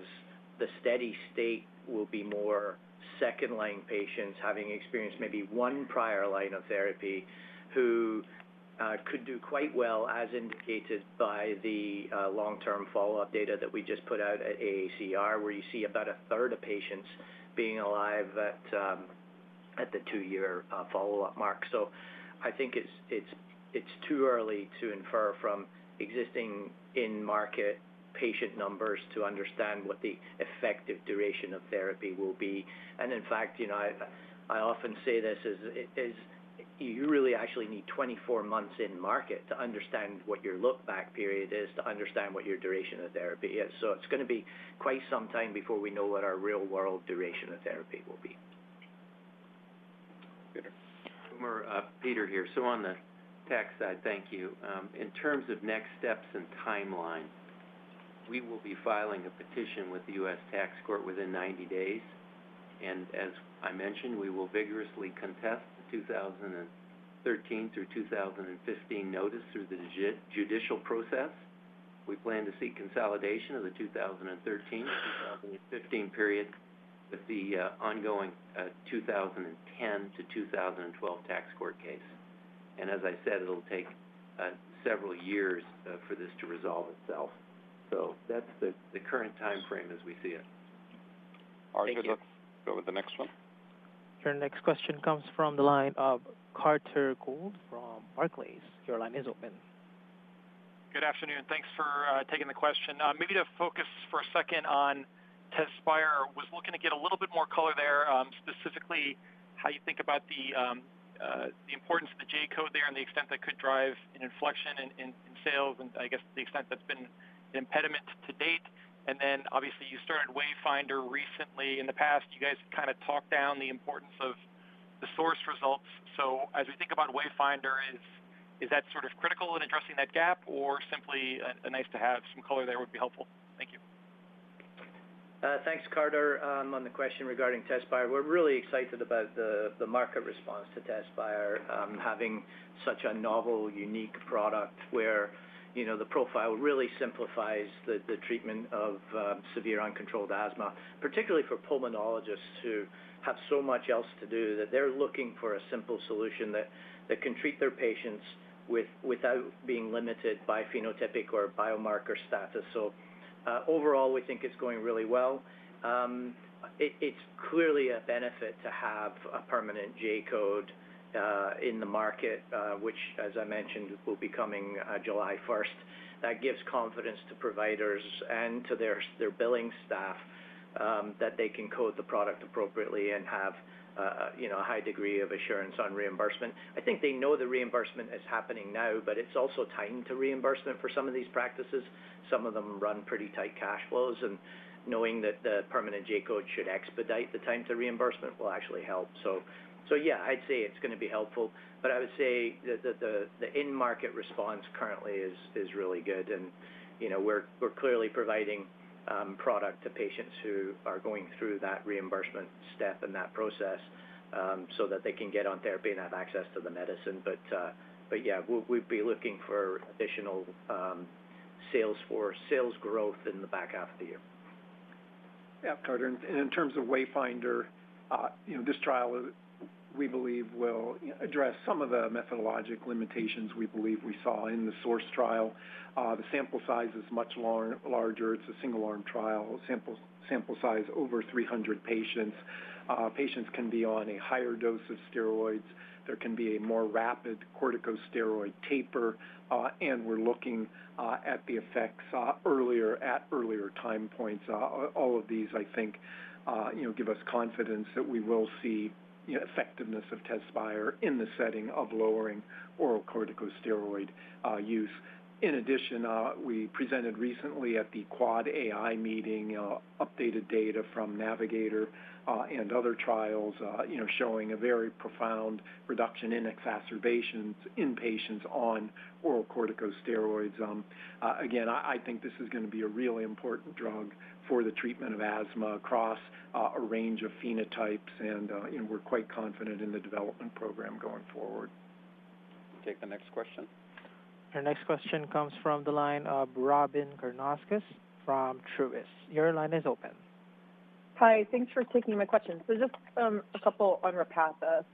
the steady-state will be more second-line patients having experienced maybe one prior line of therapy who could do quite well, as indicated by the long-term follow-up data that we just put out at AACR, where you see about a third of patients being alive at the two-year follow-up mark. I think it's too early to infer from existing in-market patient numbers to understand what the effective duration of therapy will be. In fact, you know, I often say this, you really actually need 24 months in market to understand what your look-back period is, to understand what your duration of therapy is. It's gonna be quite some time before we know what our real-world duration of therapy will be. Peter here. On the tax side, thank you. In terms of next steps and timeline, we will be filing a petition with the U.S. Tax Court within 90 days. As I mentioned, we will vigorously contest the 2013 through 2015 notice through the judicial process. We plan to seek consolidation of the 2013-2015 period with the ongoing 2010-2012 tax court case. As I said, it'll take several years for this to resolve itself. That's the current timeframe as we see it. Operator, go to the next one. Your next question comes from the line of Carter Gould from Barclays. Your line is open. Good afternoon. Thanks for taking the question. Maybe to focus for a second on TEZSPIRE. Was looking to get a little bit more color there, specifically how you think about the importance of the J-code there and the extent that could drive an inflection in sales and, I guess, the extent that's been an impediment to date. Obviously you started WAYFINDER recently. In the past, you guys kind of talked down the importance of the SOURCE results. As we think about WAYFINDER, is that sort of critical in addressing that gap or simply a nice-to-have? Some color there would be helpful. Thank you. Thanks, Carter. On the question regarding TEZSPIRE, we're really excited about the market response to TEZSPIRE, having such a novel, unique product where, you know, the profile really simplifies the treatment of severe uncontrolled asthma, particularly for pulmonologists who have so much else to do that they're looking for a simple solution that can treat their patients without being limited by phenotypic or biomarker status. Overall, we think it's going really well. It's clearly a benefit to have a permanent J-code in the market, which as I mentioned, will be coming July 1st. That gives confidence to providers and to their billing staff that they can code the product appropriately and have, you know, a high degree of assurance on reimbursement. I think they know the reimbursement is happening now, but it's also tied to reimbursement for some of these practices. Some of them run pretty tight cash flows, and knowing that the permanent J-code should expedite the time to reimbursement will actually help. Yeah, I'd say it's gonna be helpful, but I would say the in-market response currently is really good. You know, we're clearly providing product to patients who are going through that reimbursement step in that process, so that they can get on therapy and have access to the medicine. But yeah, we'd be looking for additional sales growth in the back half of the year. Yeah, Carter. In terms of WAYFINDER, you know, this trial, we believe, will address some of the methodological limitations we believe we saw in the SOURCE trial. The sample size is much larger. It's a single-arm trial. Sample size over 300 patients. Patients can be on a higher dose of steroids. There can be a more rapid corticosteroid taper, and we're looking at the effects earlier, at earlier time points. All of these, I think, you know, give us confidence that we will see effectiveness of TEZSPIRE in the setting of lowering oral corticosteroid use. In addition, we presented recently at the AAAAI meeting, updated data from NAVIGATOR, and other trials, you know, showing a very profound reduction in exacerbations in patients on oral corticosteroids. Again, I think this is gonna be a really important drug for the treatment of asthma across a range of phenotypes and we're quite confident in the development program going forward. We'll take the next question. Your next question comes from the line of Robyn Karnauskas from Truist. Your line is open. Hi. Thanks for taking my question. Just a couple on Repatha.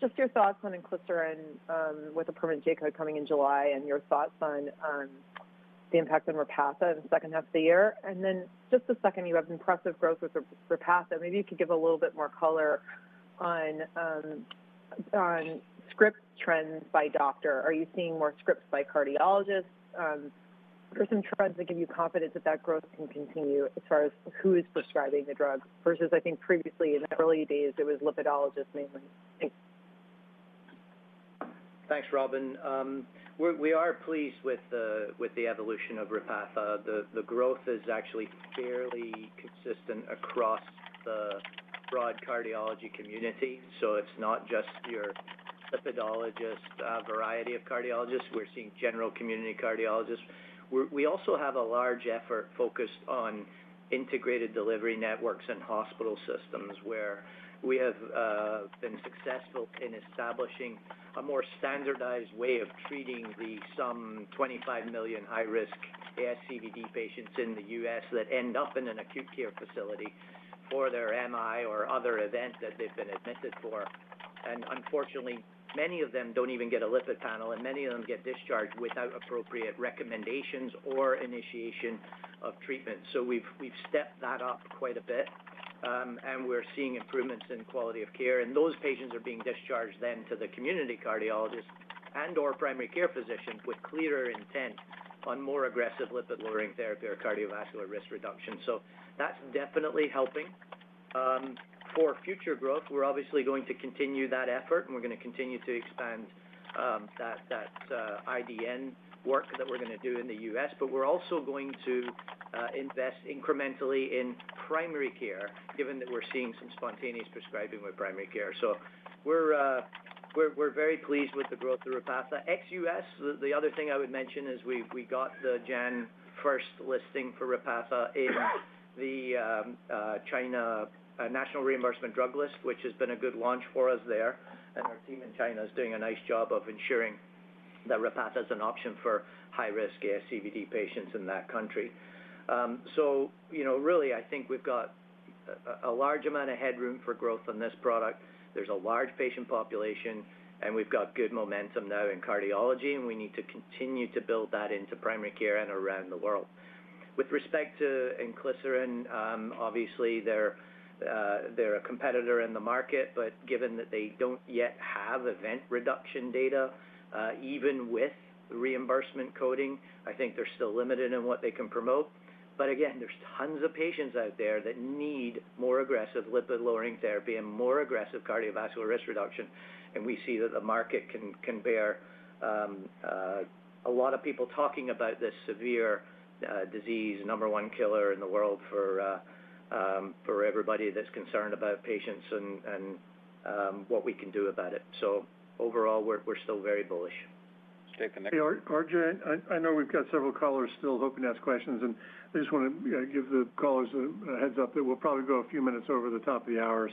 Just your thoughts on inclisiran with a permanent J-code coming in July and your thoughts on the impact on Repatha in the second half of the year. Then just the second you have impressive growth with Repatha. Maybe you could give a little bit more color on script trends by doctor. Are you seeing more scripts by cardiologists? Are there some trends that give you confidence that that growth can continue as far as who is prescribing the drug versus, I think previously in the early days it was lipidologists mainly. Thanks. Thanks, Robyn. We are pleased with the evolution of Repatha. The growth is actually fairly consistent across the broad cardiology community. It's not just your lipidologist, a variety of cardiologists. We're seeing general community cardiologists. We also have a large effort focused on integrated delivery networks and hospital systems where we have been successful in establishing a more standardized way of treating some 25 million high risk ASCVD patients in the U.S. that end up in an acute care facility for their MI or other event that they've been admitted for. Unfortunately, many of them don't even get a lipid panel, and many of them get discharged without appropriate recommendations or initiation of treatment. We've stepped that up quite a bit, and we're seeing improvements in quality of care. Those patients are being discharged then to the community cardiologist and/or primary care physician with clearer intent on more aggressive lipid-lowering therapy or cardiovascular risk reduction. That's definitely helping. For future growth, we're obviously going to continue that effort, and we're going to continue to expand that IDN work that we're going to do in the U.S. We're also going to invest incrementally in primary care, given that we're seeing some spontaneous prescribing with primary care. We're very pleased with the growth of Repatha. Ex-U.S., the other thing I would mention is we got the Jan first listing for Repatha in the China National Reimbursement Drug List, which has been a good launch for us there. Our team in China is doing a nice job of ensuring that Repatha is an option for high-risk ASCVD patients in that country. You know, really, I think we've got a large amount of headroom for growth on this product. There's a large patient population, and we've got good momentum now in cardiology, and we need to continue to build that into primary care and around the world. With respect to inclisiran, obviously, they're a competitor in the market, but given that they don't yet have event reduction data, even with reimbursement coding, I think they're still limited in what they can promote. Again, there's tons of patients out there that need more aggressive lipid-lowering therapy and more aggressive cardiovascular risk reduction. We see that the market can bear a lot of people talking about this severe disease, number one killer in the world for everybody that's concerned about patients and what we can do about it. Overall, we're still very bullish. Yeah, RJ, I know we've got several callers still hoping to ask questions, and I just wanna give the callers a heads-up that we'll probably go a few minutes over the top of the hour.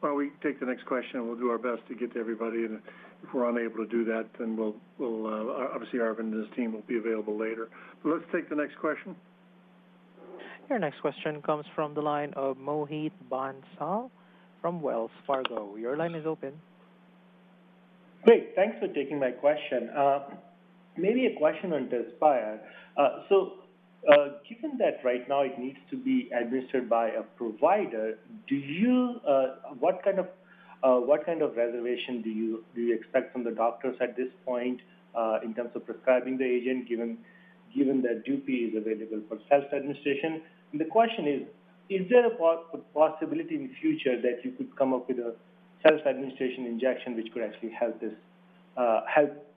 Why don't we take the next question, and we'll do our best to get to everybody. If we're unable to do that, then we'll obviously Arvind and his team will be available later. Let's take the next question. Your next question comes from the line of Mohit Bansal from Wells Fargo. Your line is open. Great. Thanks for taking my question. Maybe a question on TEZSPIRE. So, given that right now it needs to be administered by a provider, what kind of reservation do you expect from the doctors at this point in terms of prescribing the agent, given that dupi is available for self-administration? The question is: Is there a possibility in the future that you could come up with a self-administration injection which could actually help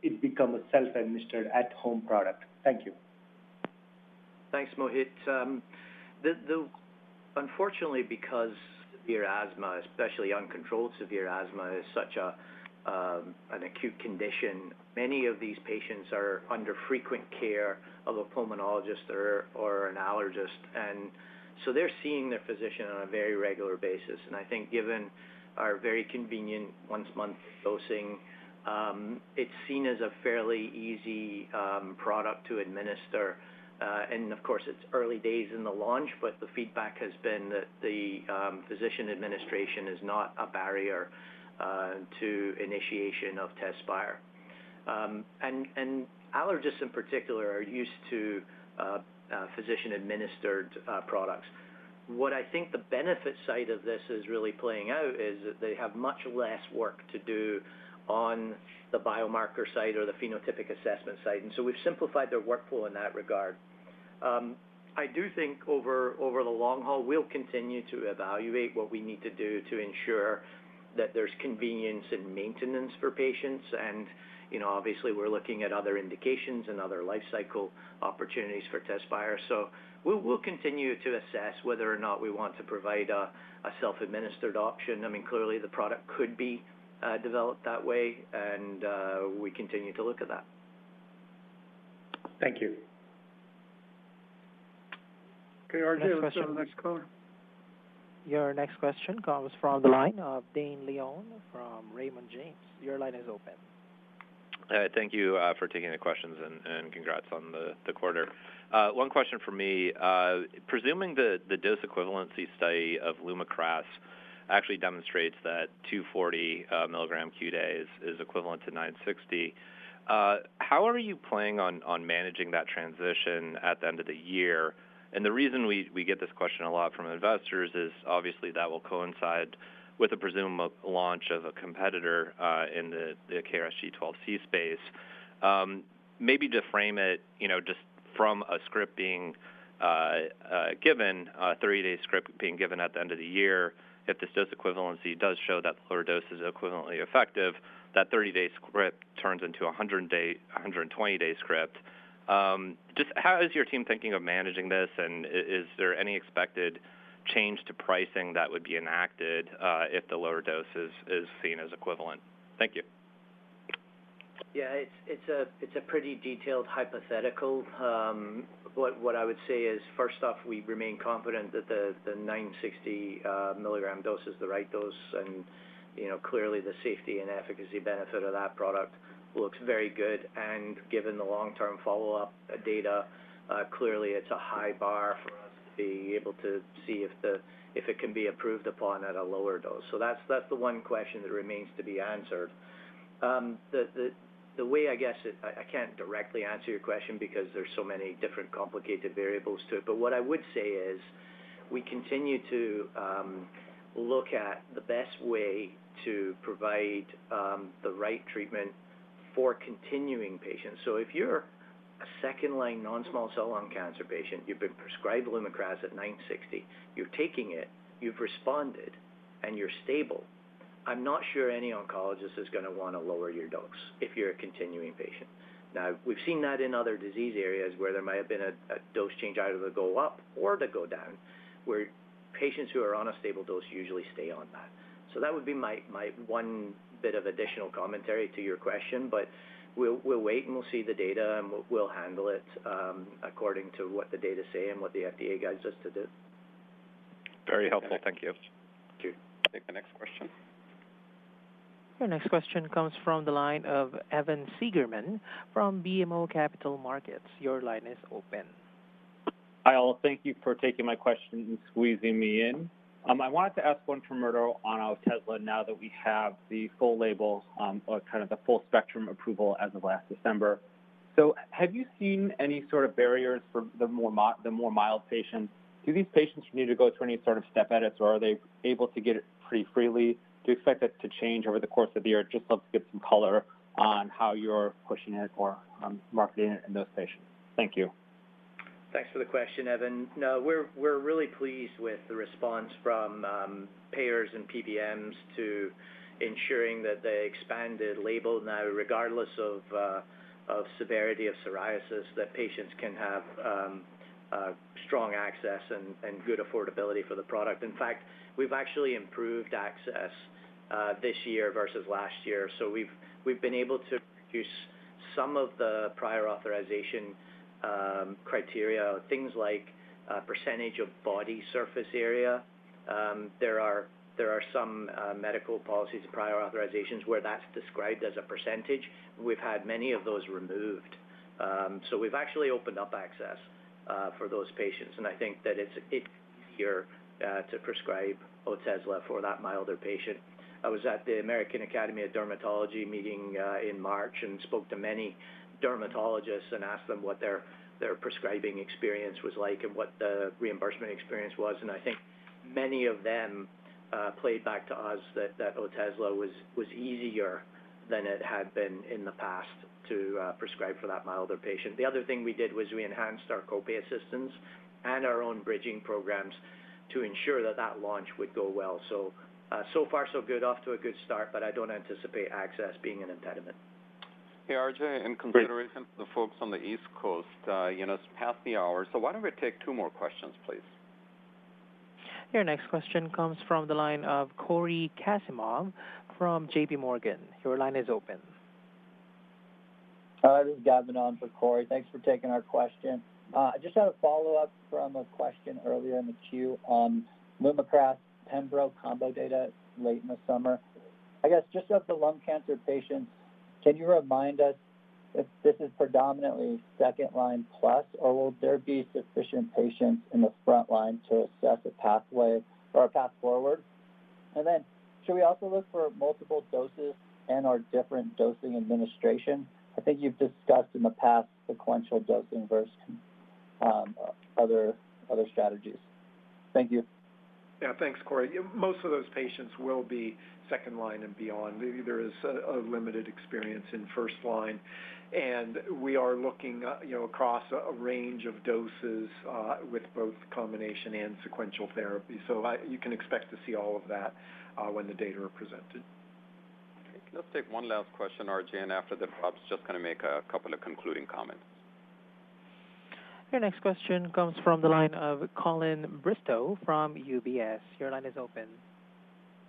it become a self-administered at-home product? Thank you. Thanks, Mohit. Unfortunately, because severe asthma, especially uncontrolled severe asthma, is such an acute condition, many of these patients are under frequent care of a pulmonologist or an allergist. They're seeing their physician on a very regular basis. I think given our very convenient once-a-month dosing, it's seen as a fairly easy product to administer. Of course, it's early days in the launch, but the feedback has been that the physician administration is not a barrier to initiation of TEZSPIRE. Allergists in particular are used to physician-administered products. What I think the benefit side of this is really playing out is that they have much less work to do on the biomarker side or the phenotypic assessment side, and so we've simplified their workflow in that regard. I do think over the long haul, we'll continue to evaluate what we need to do to ensure that there's convenience and maintenance for patients. You know, obviously, we're looking at other indications and other lifecycle opportunities for TEZSPIRE. We'll continue to assess whether or not we want to provide a self-administered option. I mean, clearly the product could be developed that way, and we continue to look at that. Thank you. Okay, RJ. Let's go to the next caller. Your next question comes from the line of Dane Leone from Raymond James. Your line is open. Thank you for taking the questions and congrats on the quarter. One question from me. Presuming the dose equivalency study of LUMAKRAS actually demonstrates that 240 mg Q-day is equivalent to 960 mg, how are you planning on managing that transition at the end of the year? The reason we get this question a lot from investors is obviously that will coincide with the presumed launch of a competitor in the KRAS G12C space. Maybe to frame it, you know, just from a script being given, a 30-day script being given at the end of the year, if this dose equivalency does show that the lower dose is equivalently effective, that 30-day script turns into a 120-day script. Just how is your team thinking of managing this? Is there any expected change to pricing that would be enacted, if the lower dose is seen as equivalent? Thank you. Yeah. It's a pretty detailed hypothetical. What I would say is, first off, we remain confident that the 960 mg dose is the right dose. You know, clearly, the safety and efficacy benefit of that product looks very good. Given the long-term follow-up data, clearly it's a high bar for us to be able to see if it can be improved upon at a lower dose. That's the one question that remains to be answered. The way I guess it, I can't directly answer your question because there's so many different complicated variables to it. What I would say is we continue to look at the best way to provide the right treatment for continuing patients. If you're a second line non-small cell lung cancer patient, you've been prescribed LUMAKRAS at 960 mg, you're taking it, you've responded, and you're stable, I'm not sure any oncologist is gonna wanna lower your dose if you're a continuing patient. Now, we've seen that in other disease areas where there might have been a dose change either to go up or to go down, where patients who are on a stable dose usually stay on that. That would be my one bit of additional commentary to your question, but we'll wait, and we'll see the data, and we'll handle it according to what the data say and what the FDA guides us to do. Very helpful. Thank you. Thank you. Take the next question. Your next question comes from the line of Evan Seigerman from BMO Capital Markets. Your line is open. Hi, all. Thank you for taking my question and squeezing me in. I wanted to ask one for Murdo on Otezla now that we have the full label, or kind of the full spectrum approval as of last December. Have you seen any sort of barriers for the more mild patients? Do these patients need to go through any sort of step edits, or are they able to get it pretty freely? Do you expect that to change over the course of the year? Just love to get some color on how you're pushing it or, marketing it in those patients. Thank you. Thanks for the question, Evan. No, we're really pleased with the response from payers and PBMs to ensuring that the expanded label now, regardless of severity of psoriasis, that patients can have a strong access and good affordability for the product. In fact, we've actually improved access this year versus last year. We've been able to use some of the prior authorization criteria, things like percentage of body surface area. There are some medical policies, prior authorizations, where that's described as a percentage. We've had many of those removed. We've actually opened up access for those patients, and I think that it's easier to prescribe Otezla for that milder patient. I was at the American Academy of Dermatology meeting in March and spoke to many dermatologists and asked them what their prescribing experience was like and what the reimbursement experience was. I think many of them played back to us that Otezla was easier than it had been in the past to prescribe for that milder patient. The other thing we did was we enhanced our copay assistance and our own bridging programs to ensure that that launch would go well. so far so good. Off to a good start, but I don't anticipate access being an impediment. Hey, RJ, in consideration for the folks on the East Coast, you know, it's past the hour, so why don't we take two more questions, please? Your next question comes from the line of Cory Kasimov from JPMorgan. Your line is open. Hi, this is Gavin on for Cory. Thanks for taking our question. I just had a follow-up from a question earlier in the queue on LUMAKRAS-Pembro combo data late in the summer. I guess just of the lung cancer patients, can you remind us if this is predominantly second-line plus, or will there be sufficient patients in the front line to assess a pathway or a path forward? Should we also look for multiple doses and/or different dosing administration? I think you've discussed in the past sequential dosing versus other strategies. Thank you. Yeah. Thanks, Gavin. Most of those patients will be second line and beyond. There is a limited experience in first line, and we are looking, you know, across a range of doses, with both combination and sequential therapy. You can expect to see all of that, when the data are presented. Okay. Let's take one last question, RJ, and after that, Bob's just gonna make a couple of concluding comments. Your next question comes from the line of Colin Bristow from UBS. Your line is open.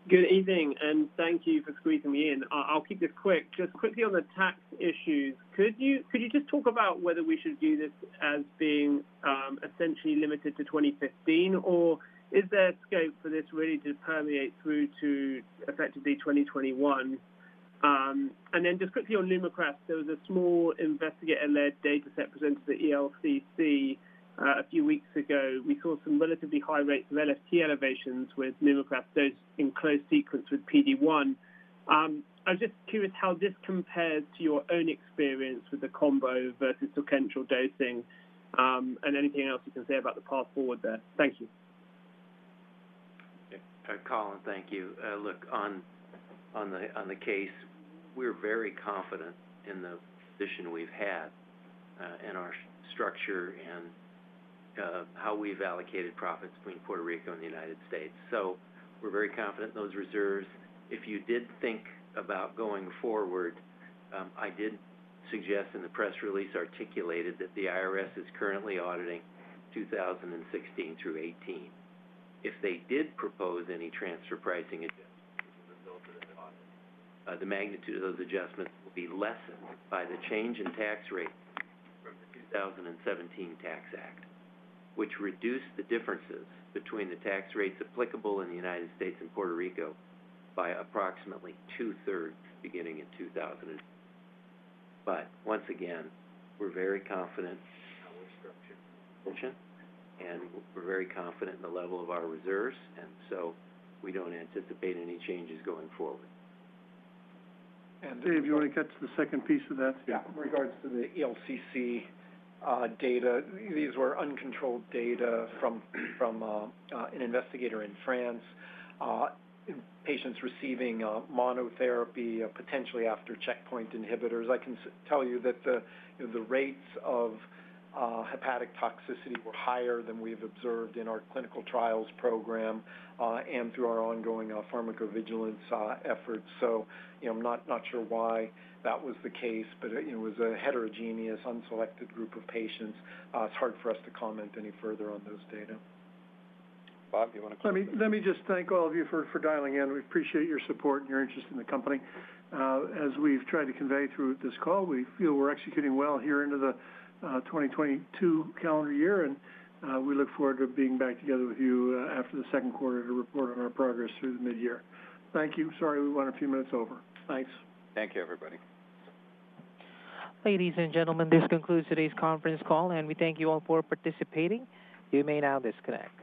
Good evening, and thank you for squeezing me in. I'll keep this quick. Just quickly on the tax issues, could you just talk about whether we should view this as being essentially limited to 2015 or is there scope for this really to permeate through to effectively 2021? Just quickly on LUMAKRAS, there was a small investigator-led data set presented at ELCC a few weeks ago. We saw some relatively high rates of LFT elevations with LUMAKRAS dose in close sequence with PD-1. I was just curious how this compared to your own experience with the combo versus sequential dosing, and anything else you can say about the path forward there. Thank you. Colin, thank you. Look, on the case, we're very confident in the position we've had in our structure and how we've allocated profits between Puerto Rico and the United States. We're very confident in those reserves. If you did think about going forward, I did suggest in the press release articulated that the IRS is currently auditing 2016 through 2018. If they did propose any transfer pricing adjustments as a result of that audit, the magnitude of those adjustments will be lessened by the change in tax rate from the 2017 Tax Act, which reduced the differences between the tax rates applicable in the United States and Puerto Rico by approximately two-thirds beginning in 2018. Once again, we're very confident in our structure and we're very confident in the level of our reserves, and so we don't anticipate any changes going forward. Dave, you wanna get to the second piece of that? Yeah. In regards to the ELCC data, these were uncontrolled data from an investigator in France. Patients receiving monotherapy potentially after checkpoint inhibitors. I can tell you that the rates of hepatic toxicity were higher than we've observed in our clinical trials program and through our ongoing pharmacovigilance efforts. You know, I'm not sure why that was the case, but you know, it was a heterogeneous unselected group of patients. It's hard for us to comment any further on those data. Let me just thank all of you for dialing in. We appreciate your support and your interest in the company. As we've tried to convey through this call, we feel we're executing well here into the 2022 calendar year, and we look forward to being back together with you after the second quarter to report on our progress through the midyear. Thank you. Sorry we went a few minutes over. Thanks. Thank you, everybody. Ladies and gentlemen, this concludes today's conference call, and we thank you all for participating. You may now disconnect.